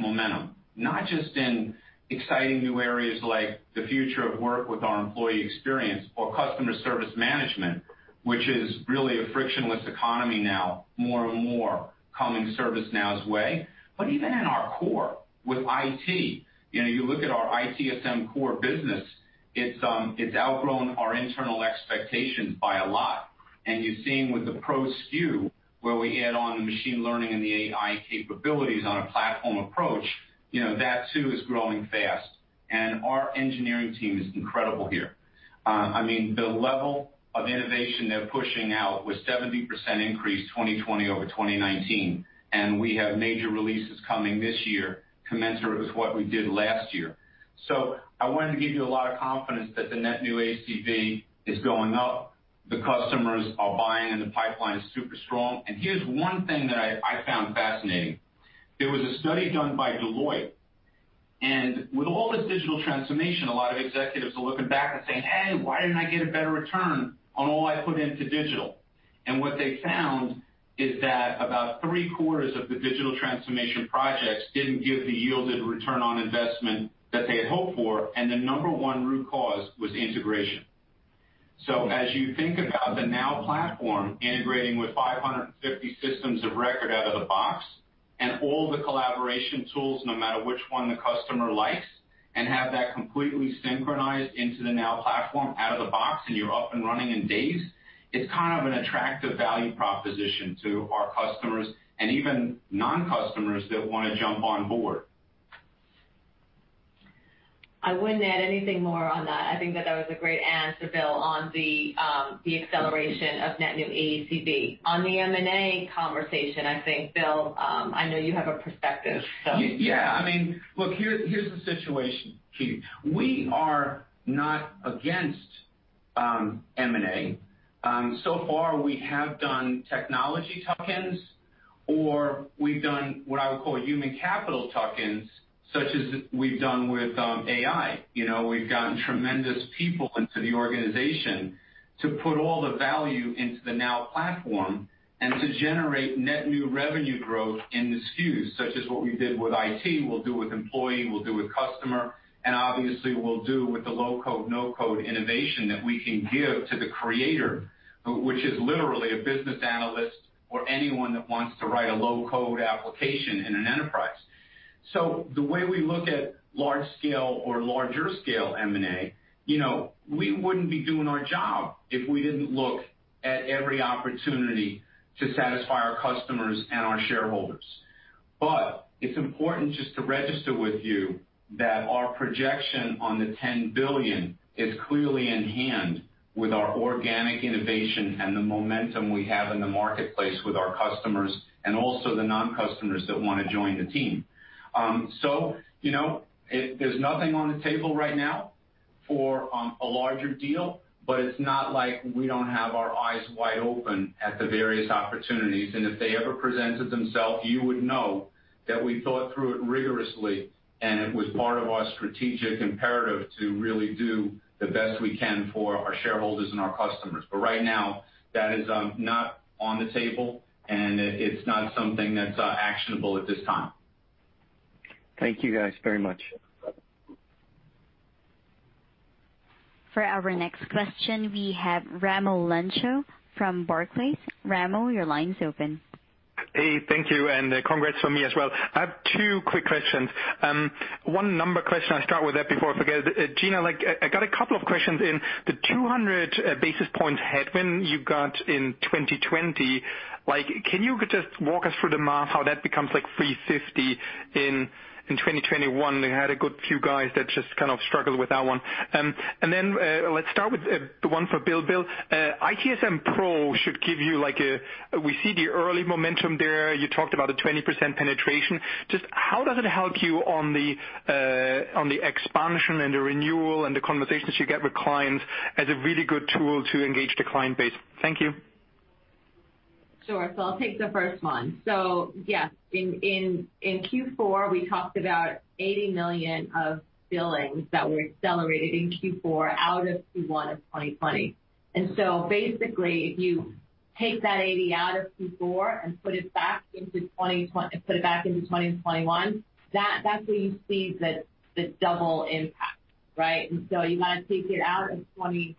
momentum, not just in exciting new areas like the future of work with our employee experience or Customer Service Management, which is really a frictionless economy now, more and more coming ServiceNow's way. Even at our core with IT. You look at our ITSM core business, it's outgrown our internal expectations by a lot. You're seeing with the Pro SKU, where we add on the machine learning and the AI capabilities on a platform approach, that too is growing fast. Our engineering team is incredible here. The level of innovation they're pushing out with 70% increase 2020 over 2019, and we have major releases coming this year commensurate with what we did last year. I wanted to give you a lot of confidence that the net new ACV is going up, the customers are buying, and the pipeline is super strong. Here's one thing that I found fascinating. There was a study done by Deloitte, and with all this digital transformation, a lot of executives are looking back and saying, "Hey, why didn't I get a better return on all I put into digital?" What they found is that about three-quarters of the digital transformation projects didn't give the yielded return on investment that they had hoped for, and the number one root cause was integration. As you think about the Now Platform integrating with 550 systems of record out of the box and all the collaboration tools, no matter which one the customer likes, and have that completely synchronized into the Now Platform out of the box and you're up and running in days, it's kind of an attractive value proposition to our customers and even non-customers that want to jump on board. I wouldn't add anything more on that. I think that that was a great answer, Bill, on the acceleration of net new ACV. On the M&A conversation, I think, Bill, I know you have a perspective, so. Look, here's the situation, Keith. We are not against M&A. Far, we have done technology tuck-ins, or we've done what I would call human capital tuck-ins, such as we've done with AI. We've gotten tremendous people into the organization to put all the value into the Now Platform and to generate net new revenue growth in the SKUs, such as what we did with IT, we'll do with employee, we'll do with customer, and obviously we'll do with the low-code, no-code innovation that we can give to the creator, which is literally a business analyst or anyone that wants to write a low-code application in an enterprise. The way we look at large scale or larger scale M&A, we wouldn't be doing our job if we didn't look at every opportunity to satisfy our customers and our shareholders. It's important just to register with you that our projection on the $10 billion is clearly in hand with our organic innovation and the momentum we have in the marketplace with our customers and also the non-customers that want to join the team. There's nothing on the table right now for a larger deal, but it's not like we don't have our eyes wide open at the various opportunities. If they ever presented themselves, you would know that we thought through it rigorously, and it was part of our strategic imperative to really do the best we can for our shareholders and our customers. Right now, that is not on the table, and it's not something that's actionable at this time. Thank you guys very much. For our next question, we have Raimo Lenschow from Barclays. Raimo, your line's open. Hey, thank you, and congrats from me as well. I have two quick questions. One number question, I'll start with that before I forget. Gina, I got a couple of questions. In the 200 basis points headwind you got in 2020, can you just walk us through the math how that becomes 350 in 2021? We had a good few guys that just kind of struggled with that one. Then, let's start with the one for Bill. Bill, ITSM Pro should give you, we see the early momentum there. You talked about a 20% penetration. Just how does it help you on the expansion and the renewal and the conversations you get with clients as a really good tool to engage the client base? Thank you. Sure. I'll take the first one. Yes, in Q4, we talked about $80 million of billings that were accelerated in Q4 out of Q1 of 2020. Basically, if you take that 80 out of Q4 and put it back into 2021, that's where you see the double impact. Right. You want to take it out of 2020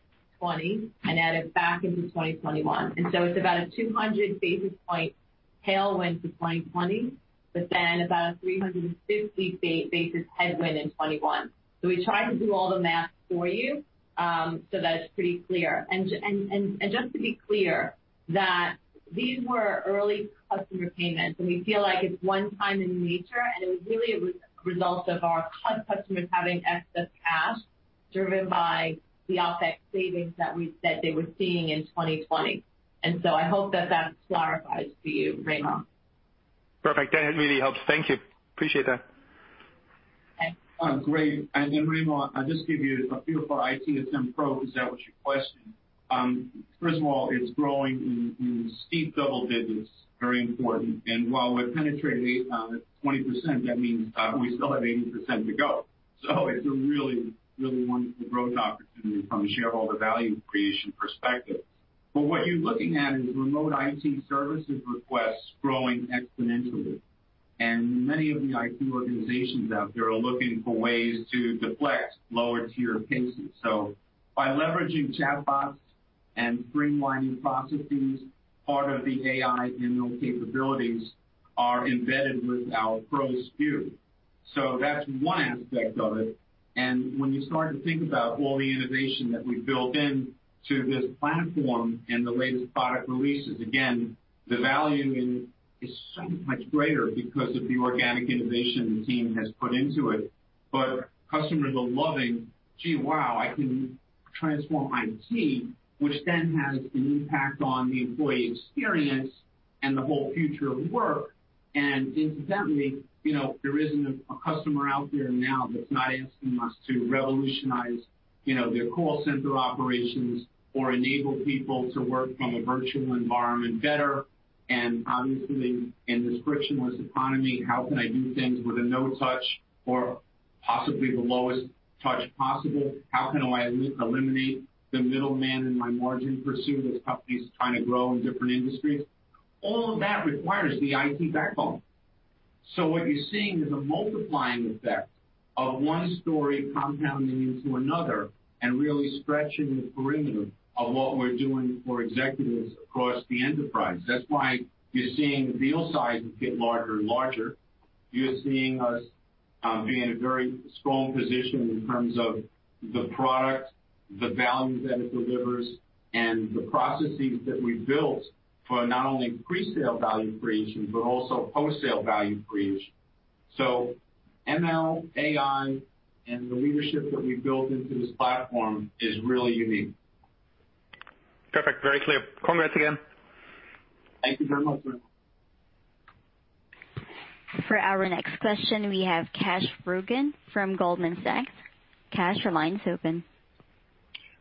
and add it back into 2021. It's about a 200 basis point tailwind to 2020, but then about a 350 basis headwind in 2021. We try to do all the math for you, so that it's pretty clear. Just to be clear, that these were early customer payments, and we feel like it's one time in nature, and it was really a result of our customers having excess cash, driven by the OPEX savings that they were seeing in 2020. I hope that that clarifies for you, Raimo. Perfect. That really helps. Thank you. Appreciate that. Okay. Great. Raimo, I'll just give you a few for ITSM Pro, because that was your question. First of all, it's growing in steep double digits. Very important. While we're penetrating at 20%, that means we still have 80% to go. It's a really wonderful growth opportunity from a shareholder value creation perspective. What you're looking at is remote IT services requests growing exponentially. Many of the IT organizations out there are looking for ways to deflect lower-tier cases. By leveraging chatbots and streamlining processes, part of the AI ML capabilities are embedded with our Pro SKU. That's one aspect of it. When you start to think about all the innovation that we've built into this platform and the latest product releases, again, the value is so much greater because of the organic innovation the team has put into it. Customers are loving, "Gee, wow, I can transform IT," which then has an impact on the employee experience and the whole future of work. Incidentally, there isn't a customer out there now that's not asking us to revolutionize their call center operations or enable people to work from a virtual environment better. Obviously, in this frictionless economy, how can I do things with a no-touch or possibly the lowest touch possible. How can I eliminate the middleman in my margin pursuit as companies trying to grow in different industries? All of that requires the IT backbone. What you're seeing is a multiplying effect of one story compounding into another and really stretching the perimeter of what we're doing for executives across the enterprise. That's why you're seeing the deal sizes get larger and larger. You're seeing us be in a very strong position in terms of the product, the value that it delivers, and the processes that we've built for not only pre-sale value creation, but also post-sale value creation. ML, AI, and the leadership that we've built into this platform is really unique. Perfect. Very clear. Congrats again. Thank you very much, Vin. For our next question, we have Kash Rangan from Goldman Sachs. Kash, your line is open.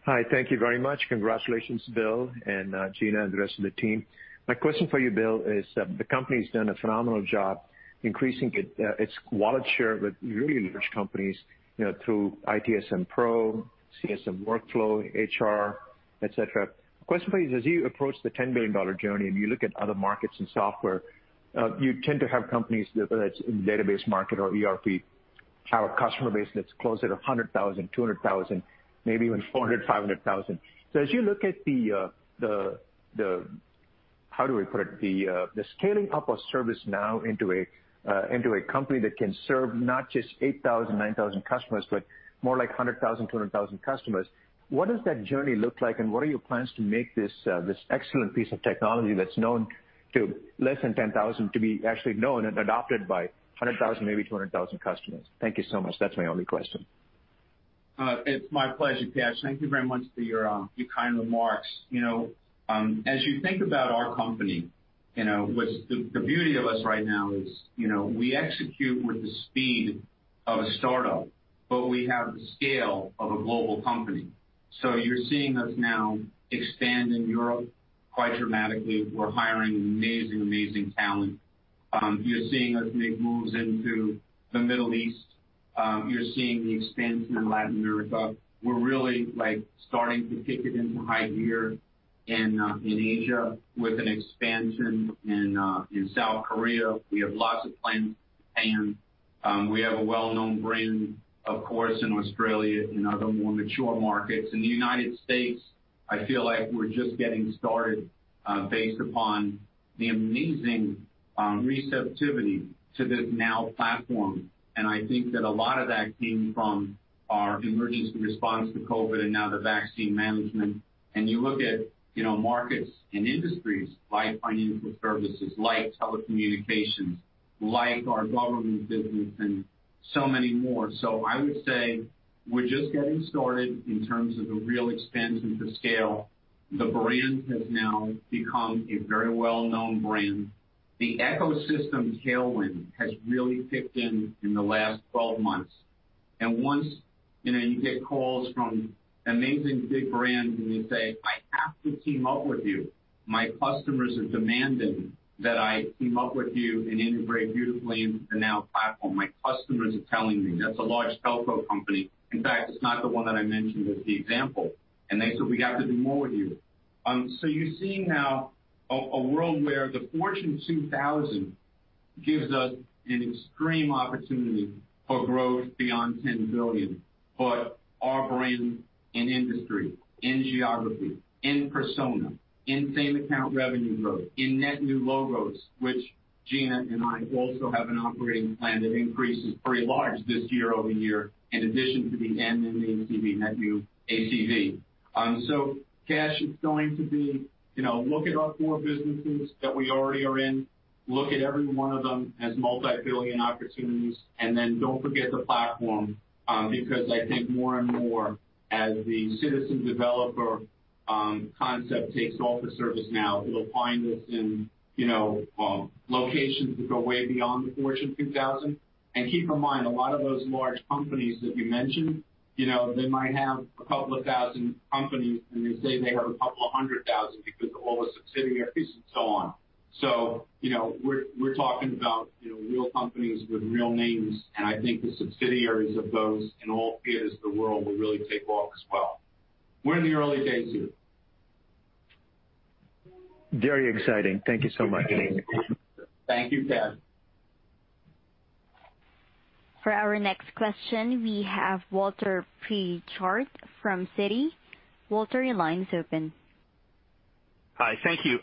Hi, thank you very much. Congratulations, Bill and Gina and the rest of the team. My question for you, Bill, is, the company's done a phenomenal job increasing its wallet share with really large companies through ITSM Pro, CSM Workflow, HR, et cetera. Question for you is, as you approach the $10 billion journey and you look at other markets in software, you tend to have companies, whether it's in the database market or ERP, have a customer base that's closer to 100,000, 200,000, maybe even 400,000, 500,000. How do I put it? The scaling up of ServiceNow into a company that can serve not just 8,000, 9,000 customers, but more like 100,000, 200,000 customers, what does that journey look like, and what are your plans to make this excellent piece of technology that's known to less than 10,000 to be actually known and adopted by 100,000, maybe 200,000 customers? Thank you so much. That's my only question. It's my pleasure, Kash. Thank you very much for your kind remarks. You think about our company, the beauty of us right now is we execute with the speed of a startup, but we have the scale of a global company. You're seeing us now expand in Europe quite dramatically. We're hiring amazing talent. You're seeing us make moves into the Middle East. You're seeing the expansion in Latin America. We're really starting to kick it into high gear in Asia with an expansion in South Korea. We have lots of plans to expand. We have a well-known brand, of course, in Australia, in other more mature markets. In the U.S., I feel like we're just getting started based upon the amazing receptivity to this Now Platform, and I think that a lot of that came from our emergency response to COVID and now the vaccine management. You look at markets and industries like financial services, like telecommunications, like our government business, and so many more. I would say we're just getting started in terms of the real expansion to scale. The brand has now become a very well-known brand. The ecosystem tailwind has really kicked in the last 12 months. Once you get calls from amazing big brands and they say, "I have to team up with you. My customers are demanding that I team up with you and integrate beautifully into the Now Platform." My customers are telling me. That's a large telco company. In fact, it's not the one that I mentioned as the example. They said, "We got to do more with you." You're seeing now a world where the Fortune 2000 gives us an extreme opportunity for growth beyond $10 billion. Our brand in industry, in geography, in persona, in same account revenue growth, in net new logos, which Gina and I also have an operating plan that increases pretty large year-over-year in addition to the NNACV, net new ACV. Kash, it's going to be look at our four businesses that we already are in, look at every one of them as multi-billion opportunities, then don't forget the platform, because I think more and more as the citizen developer concept takes off for ServiceNow, it'll find us in locations that go way beyond the Fortune 2000. Keep in mind, a lot of those large companies that you mentioned, they might have a couple of thousand companies and they say they have a couple of hundred thousand because of all the subsidiaries and so on. We're talking about real companies with real names, and I think the subsidiaries of those in all theaters of the world will really take off as well. We're in the early days here. Very exciting. Thank you so much. Thank you, Kash. For our next question, we have Walter Pritchard from Citi. Walter, your line is open. Hi. Thank you.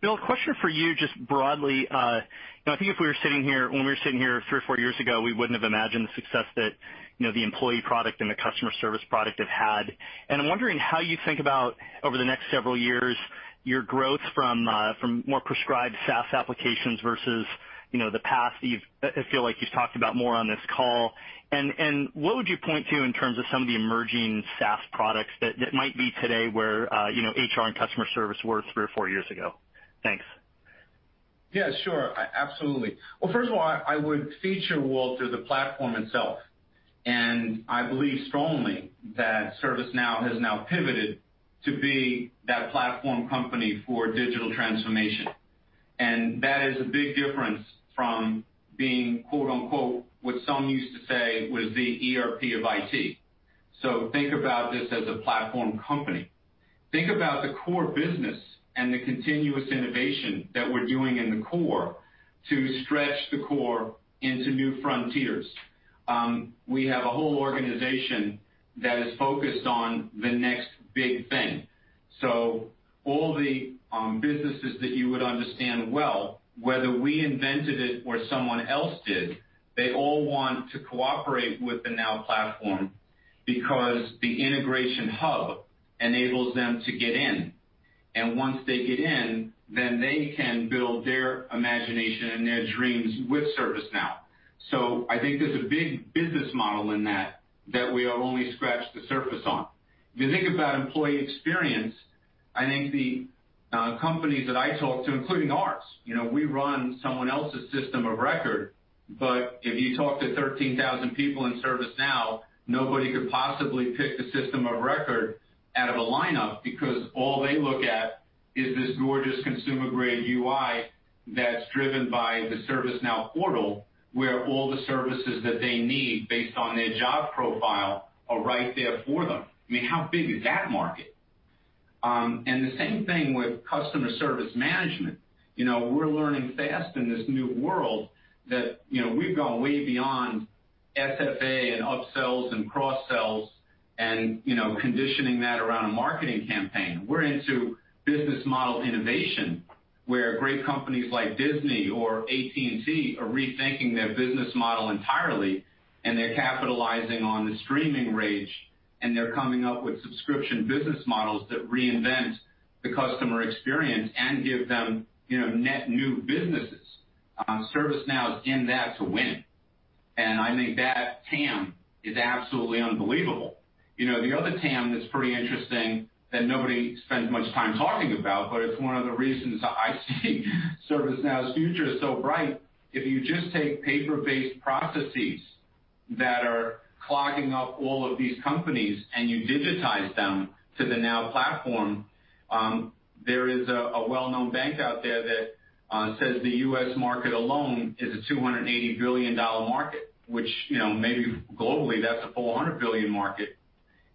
Bill, question for you just broadly. I think when we were sitting here three or four years ago, we wouldn't have imagined the success that the employee product and the Customer Service product have had. I'm wondering how you think about over the next several years, your growths from more prescribed SaaS applications versus the path that I feel like you've talked about more on this call. What would you point to in terms of some of the emerging SaaS products that might be today where HR and Customer Service were three or four years ago? Thanks. Yeah, sure. Absolutely. Well, first of all, I would feature, Walter, the platform itself. I believe strongly that ServiceNow has now pivoted to be that platform company for digital transformation. That is a big difference from being, quote unquote, what some used to say was the ERP of IT. Think about this as a platform company. Think about the core business and the continuous innovation that we're doing in the core to stretch the core into new frontiers. We have a whole organization that is focused on the next big thing. All the businesses that you would understand well, whether we invented it or someone else did, they all want to cooperate with the Now Platform because the Integration Hub enables them to get in. Once they get in, then they can build their imagination and their dreams with ServiceNow. I think there's a big business model in that we have only scratched the surface on. If you think about employee experience, I think the companies that I talk to, including ours, we run someone else's system of record. If you talk to 13,000 people in ServiceNow, nobody could possibly pick the system of record out of a lineup because all they look at is this gorgeous consumer-grade UI that's driven by the ServiceNow portal, where all the services that they need based on their job profile are right there for them. I mean, how big is that market? The same thing with customer service management. We're learning fast in this new world that we've gone way beyond SFA and upsells and cross-sells and conditioning that around a marketing campaign. We're into business model innovation, where great companies like Disney or AT&T are rethinking their business model entirely, and they're capitalizing on the streaming rage, and they're coming up with subscription business models that reinvent the customer experience and give them net new businesses. ServiceNow is in that to win, and I think that TAM is absolutely unbelievable. The other TAM that's pretty interesting that nobody spends much time talking about, but it's one of the reasons I see ServiceNow's future so bright. If you just take paper-based processes that are clogging up all of these companies and you digitize them to the Now Platform, there is a well-known bank out there that says the U.S. market alone is a $280 billion market, which maybe globally, that's a $400 billion market.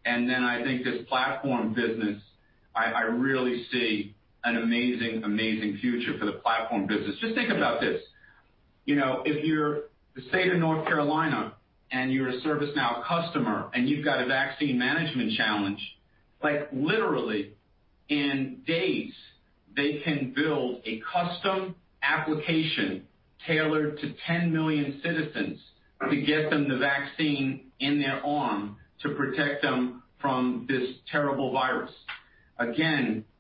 I think this platform business, I really see an amazing future for the platform business. Just think about this. If you're the State of North Carolina and you're a ServiceNow customer and you've got a vaccine management challenge, literally in days, they can build a custom application tailored to 10 million citizens to get them the vaccine in their arm to protect them from this terrible virus.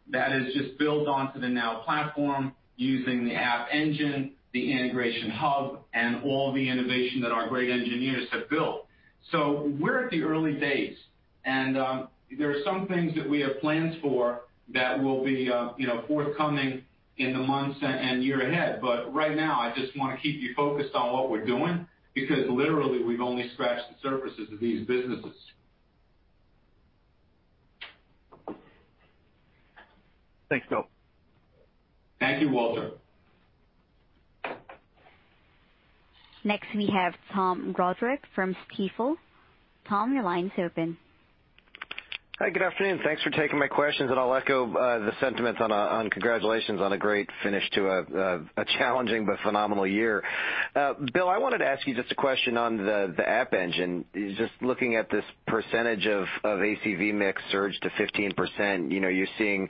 That is just built onto the Now Platform using the App Engine, the Integration Hub, and all the innovation that our great engineers have built. We're at the early days, and there are some things that we have plans for that will be forthcoming in the months and year ahead. Right now, I just want to keep you focused on what we're doing, because literally, we've only scratched the surfaces of these businesses. Thanks, Bill. Thank you, Walter. Next we have Tom Roderick from Stifel. Tom, your line's open. Hi, good afternoon. Thanks for taking my questions, and I'll echo the sentiments on congratulations on a great finish to a challenging but phenomenal year. Bill, I wanted to ask you just a question on the App Engine. Just looking at this percentage of ACV mix surge to 15%, you're seeing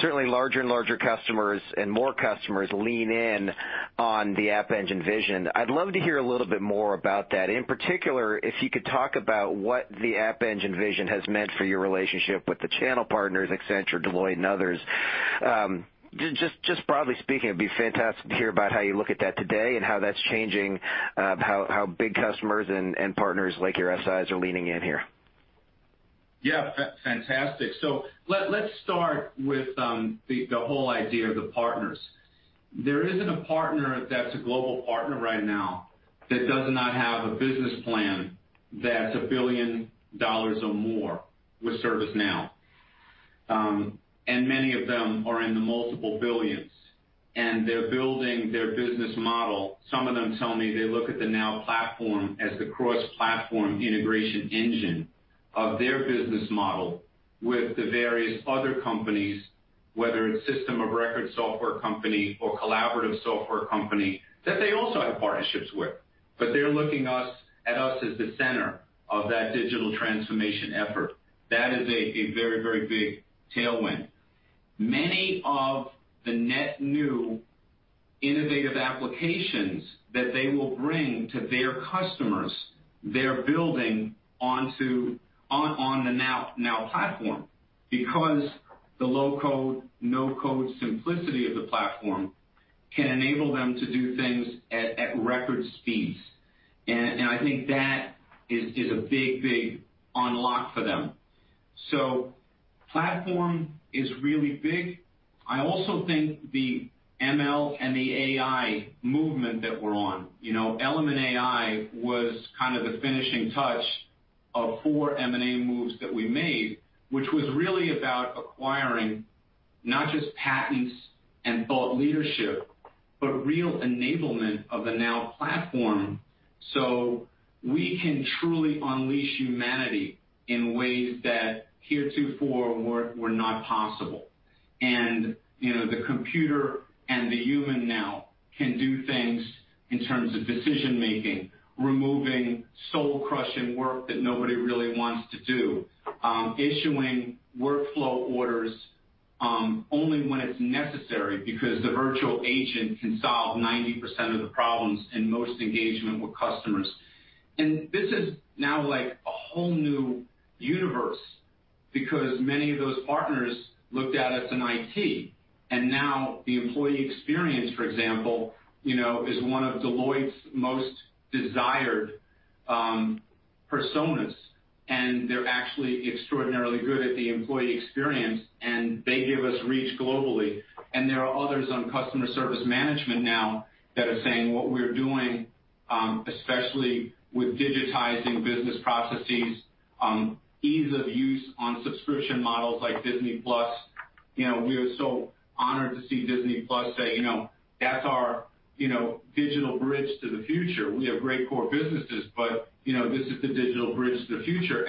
certainly larger and larger customers and more customers lean in on the App Engine vision. I'd love to hear a little bit more about that. In particular, if you could talk about what the App Engine vision has meant for your relationship with the channel partners, Accenture, Deloitte, and others. Just broadly speaking, it'd be fantastic to hear about how you look at that today and how that's changing how big customers and partners like your SIs are leaning in here. Yeah, fantastic. Let's start with the whole idea of the partners. There isn't a partner that's a global partner right now that does not have a business plan that's $1 billion or more with ServiceNow. Many of them are in the multiple billions, and they're building their business model. Some of them tell me they look at the Now Platform as the cross-platform integration engine of their business model with the various other companies, whether it's system of record software company or collaborative software company, that they also have partnerships with. They're looking at us as the center of that digital transformation effort. That is a very big tailwind. Many of the net new innovative applications that they will bring to their customers, they're building on the Now Platform because the low-code, no-code simplicity of the platform can enable them to do things at record speeds. I think that is a big unlock for them. Platform is really big. I also think the ML and the AI movement that we're on, Element AI was kind of the finishing touch of four M&A moves that we made, which was really about acquiring not just patents and thought leadership, but real enablement of the Now Platform, so we can truly unleash humanity in ways that heretofore were not possible. The computer and the human now can do things in terms of decision-making, removing soul-crushing work that nobody really wants to do, issuing workflow orders only when it's necessary because the virtual agent can solve 90% of the problems in most engagement with customers. This is now a whole new universe, because many of those partners looked at us in IT, and now the employee experience, for example, is one of Deloitte's most desired personas, and they're actually extraordinarily good at the employee experience, and they give us reach globally. There are others on Customer Service Management now that are saying what we're doing, especially with digitizing business processes, ease of use on subscription models like Disney+. We are so honored to see Disney+ say, "That's our digital bridge to the future. We have great core businesses, but this is the digital bridge to the future."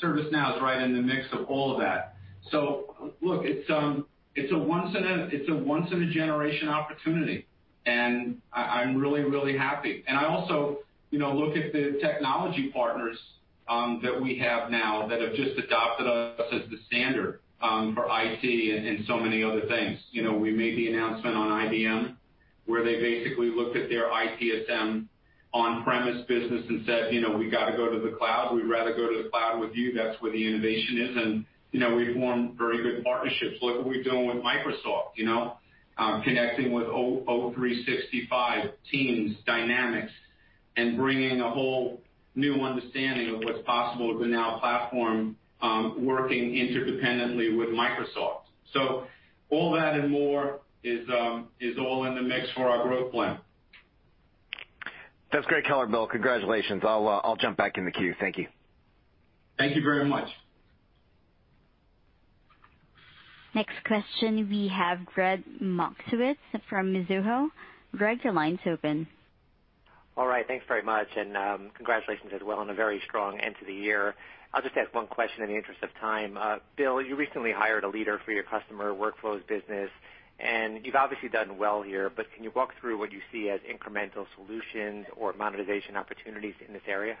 ServiceNow is right in the mix of all of that. Look, it's a once in a generation opportunity, and I'm really, really happy. I also look at the technology partners that we have now that have just adopted us as the standard for IT and so many other things. We made the announcement on IBM, where they basically looked at their ITSM on-premise business and said, "We got to go to the cloud. We'd rather go to the cloud with you. That's where the innovation is." We've formed very good partnerships. Look what we're doing with Microsoft, connecting with O365, Teams, Dynamics, and bringing a whole new understanding of what's possible with the Now Platform working interdependently with Microsoft. All that and more is all in the mix for our growth plan. That's great color, Bill. Congratulations. I'll jump back in the queue. Thank you. Thank you very much. Next question we have Gregg Moskowitz from Mizuho. Gregg, your line's open. All right. Thanks very much, and congratulations as well on a very strong end to the year. I'll just ask one question in the interest of time. Bill, you recently hired a leader for your Customer Workflow business, and you've obviously done well here, but can you walk through what you see as incremental solutions or monetization opportunities in this area?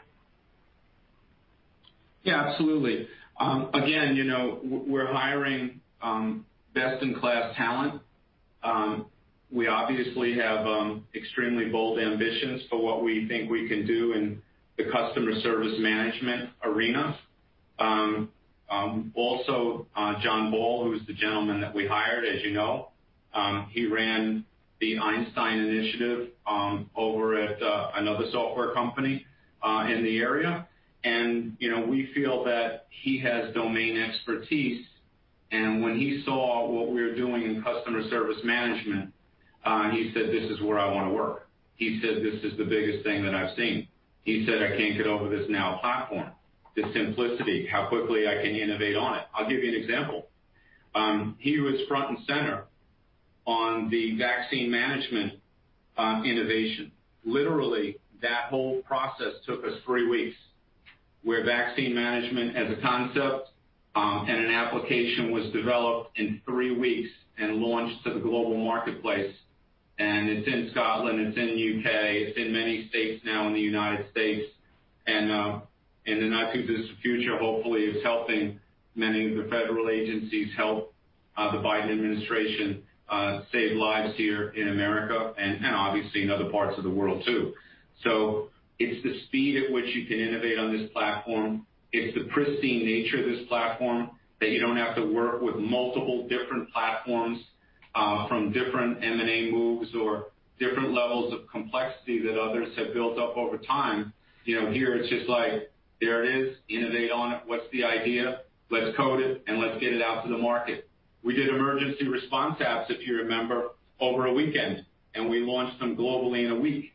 Yeah, absolutely. We're hiring best-in-class talent. We obviously have extremely bold ambitions for what we think we can do in the Customer Service Management arena. John Ball, who's the gentleman that we hired, as you know, he ran the Einstein initiative over at another software company in the area. We feel that he has domain expertise, and when he saw what we were doing in Customer Service Management, he said, "This is where I want to work." He said, "This is the biggest thing that I've seen." He said, "I can't get over this Now Platform, the simplicity, how quickly I can innovate on it." I'll give you an example. He was front and center on the vaccine management innovation. Literally, that whole process took us three weeks, where vaccine management as a concept and an application was developed in three weeks and launched to the global marketplace. It's in Scotland, it's in the U.K., it's in many states now in the United States. In the not-too-distant future, hopefully, it's helping many of the federal agencies help the Biden administration save lives here in America and obviously in other parts of the world, too. It's the speed at which you can innovate on this platform. It's the pristine nature of this platform, that you don't have to work with multiple different platforms from different M&A moves or different levels of complexity that others have built up over time. Here it's just like, there it is, innovate on it. What's the idea? Let's code it, and let's get it out to the market. We did emergency response apps, if you remember, over a weekend. We launched them globally in a week.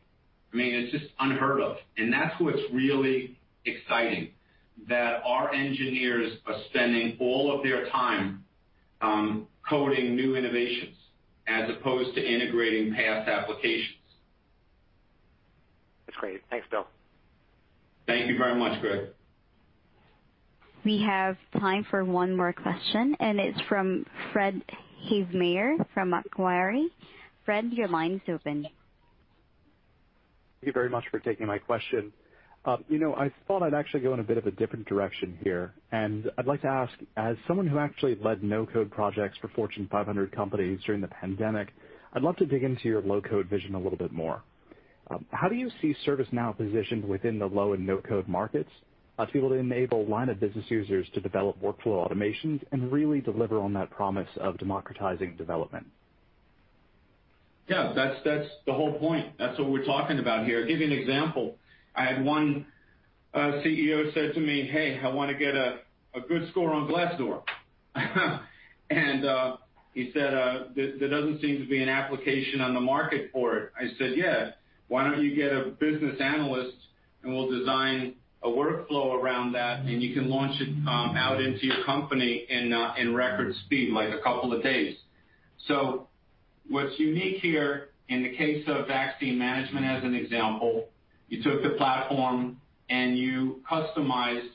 I mean, it's just unheard of. That's what's really exciting, that our engineers are spending all of their time coding new innovations as opposed to integrating past applications. That's great. Thanks, Bill. Thank you very much, Gregg. We have time for one more question. It's from Fred Havemeyer from Macquarie. Fred, your line is open. Thank you very much for taking my question. I thought I'd actually go in a bit of a different direction here. I'd like to ask, as someone who actually led no-code projects for Fortune 500 companies during the pandemic, I'd love to dig into your low-code vision a little bit more. How do you see ServiceNow positioned within the low and no-code markets to be able to enable line of business users to develop workflow automations and really deliver on that promise of democratizing development? Yeah, that's the whole point. That's what we're talking about here. I'll give you an example. I had one CEO say to me, "Hey, I want to get a good score on Glassdoor." He said, "There doesn't seem to be an application on the market for it." I said, "Yeah. Why don't you get a business analyst, and we'll design a workflow around that, and you can launch it out into your company in record speed, like a couple of days." What's unique here, in the case of vaccine management as an example, you took the platform, and you customized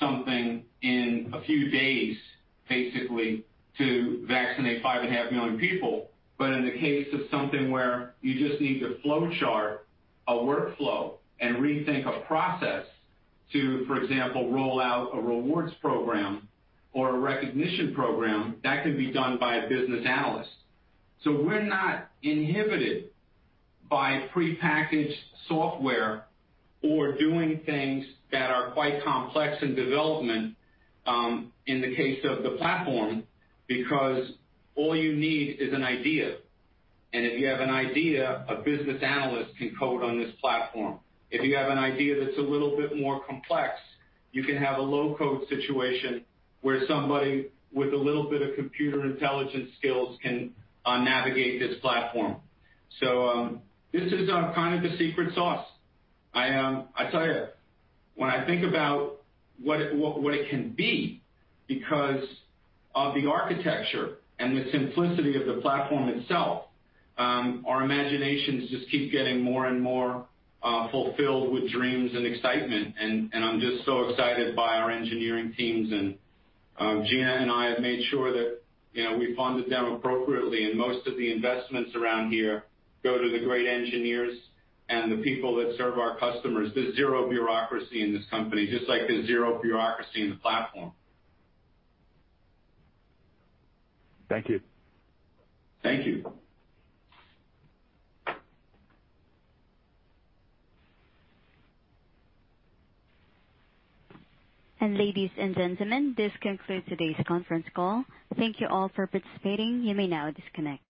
something in a few days, basically, to vaccinate five and a half million people. In the case of something where you just need to flowchart a workflow and rethink a process to, for example, roll out a rewards program or a recognition program, that can be done by a business analyst. We're not inhibited by prepackaged software or doing things that are quite complex in development in the case of the platform, because all you need is an idea. If you have an idea, a business analyst can code on this platform. If you have an idea that's a little bit more complex, you can have a low-code situation where somebody with a little bit of computer intelligence skills can navigate this platform. This is kind of the secret sauce. I tell you, when I think about what it can be because of the architecture and the simplicity of the platform itself, our imaginations just keep getting more and more fulfilled with dreams and excitement. I'm just so excited by our engineering teams, and Gina and I have made sure that we funded them appropriately. Most of the investments around here go to the great engineers and the people that serve our customers. There's zero bureaucracy in this company, just like there's zero bureaucracy in the platform. Thank you. Thank you. Ladies and gentlemen, this concludes today's conference call. Thank you all for participating. You may now disconnect.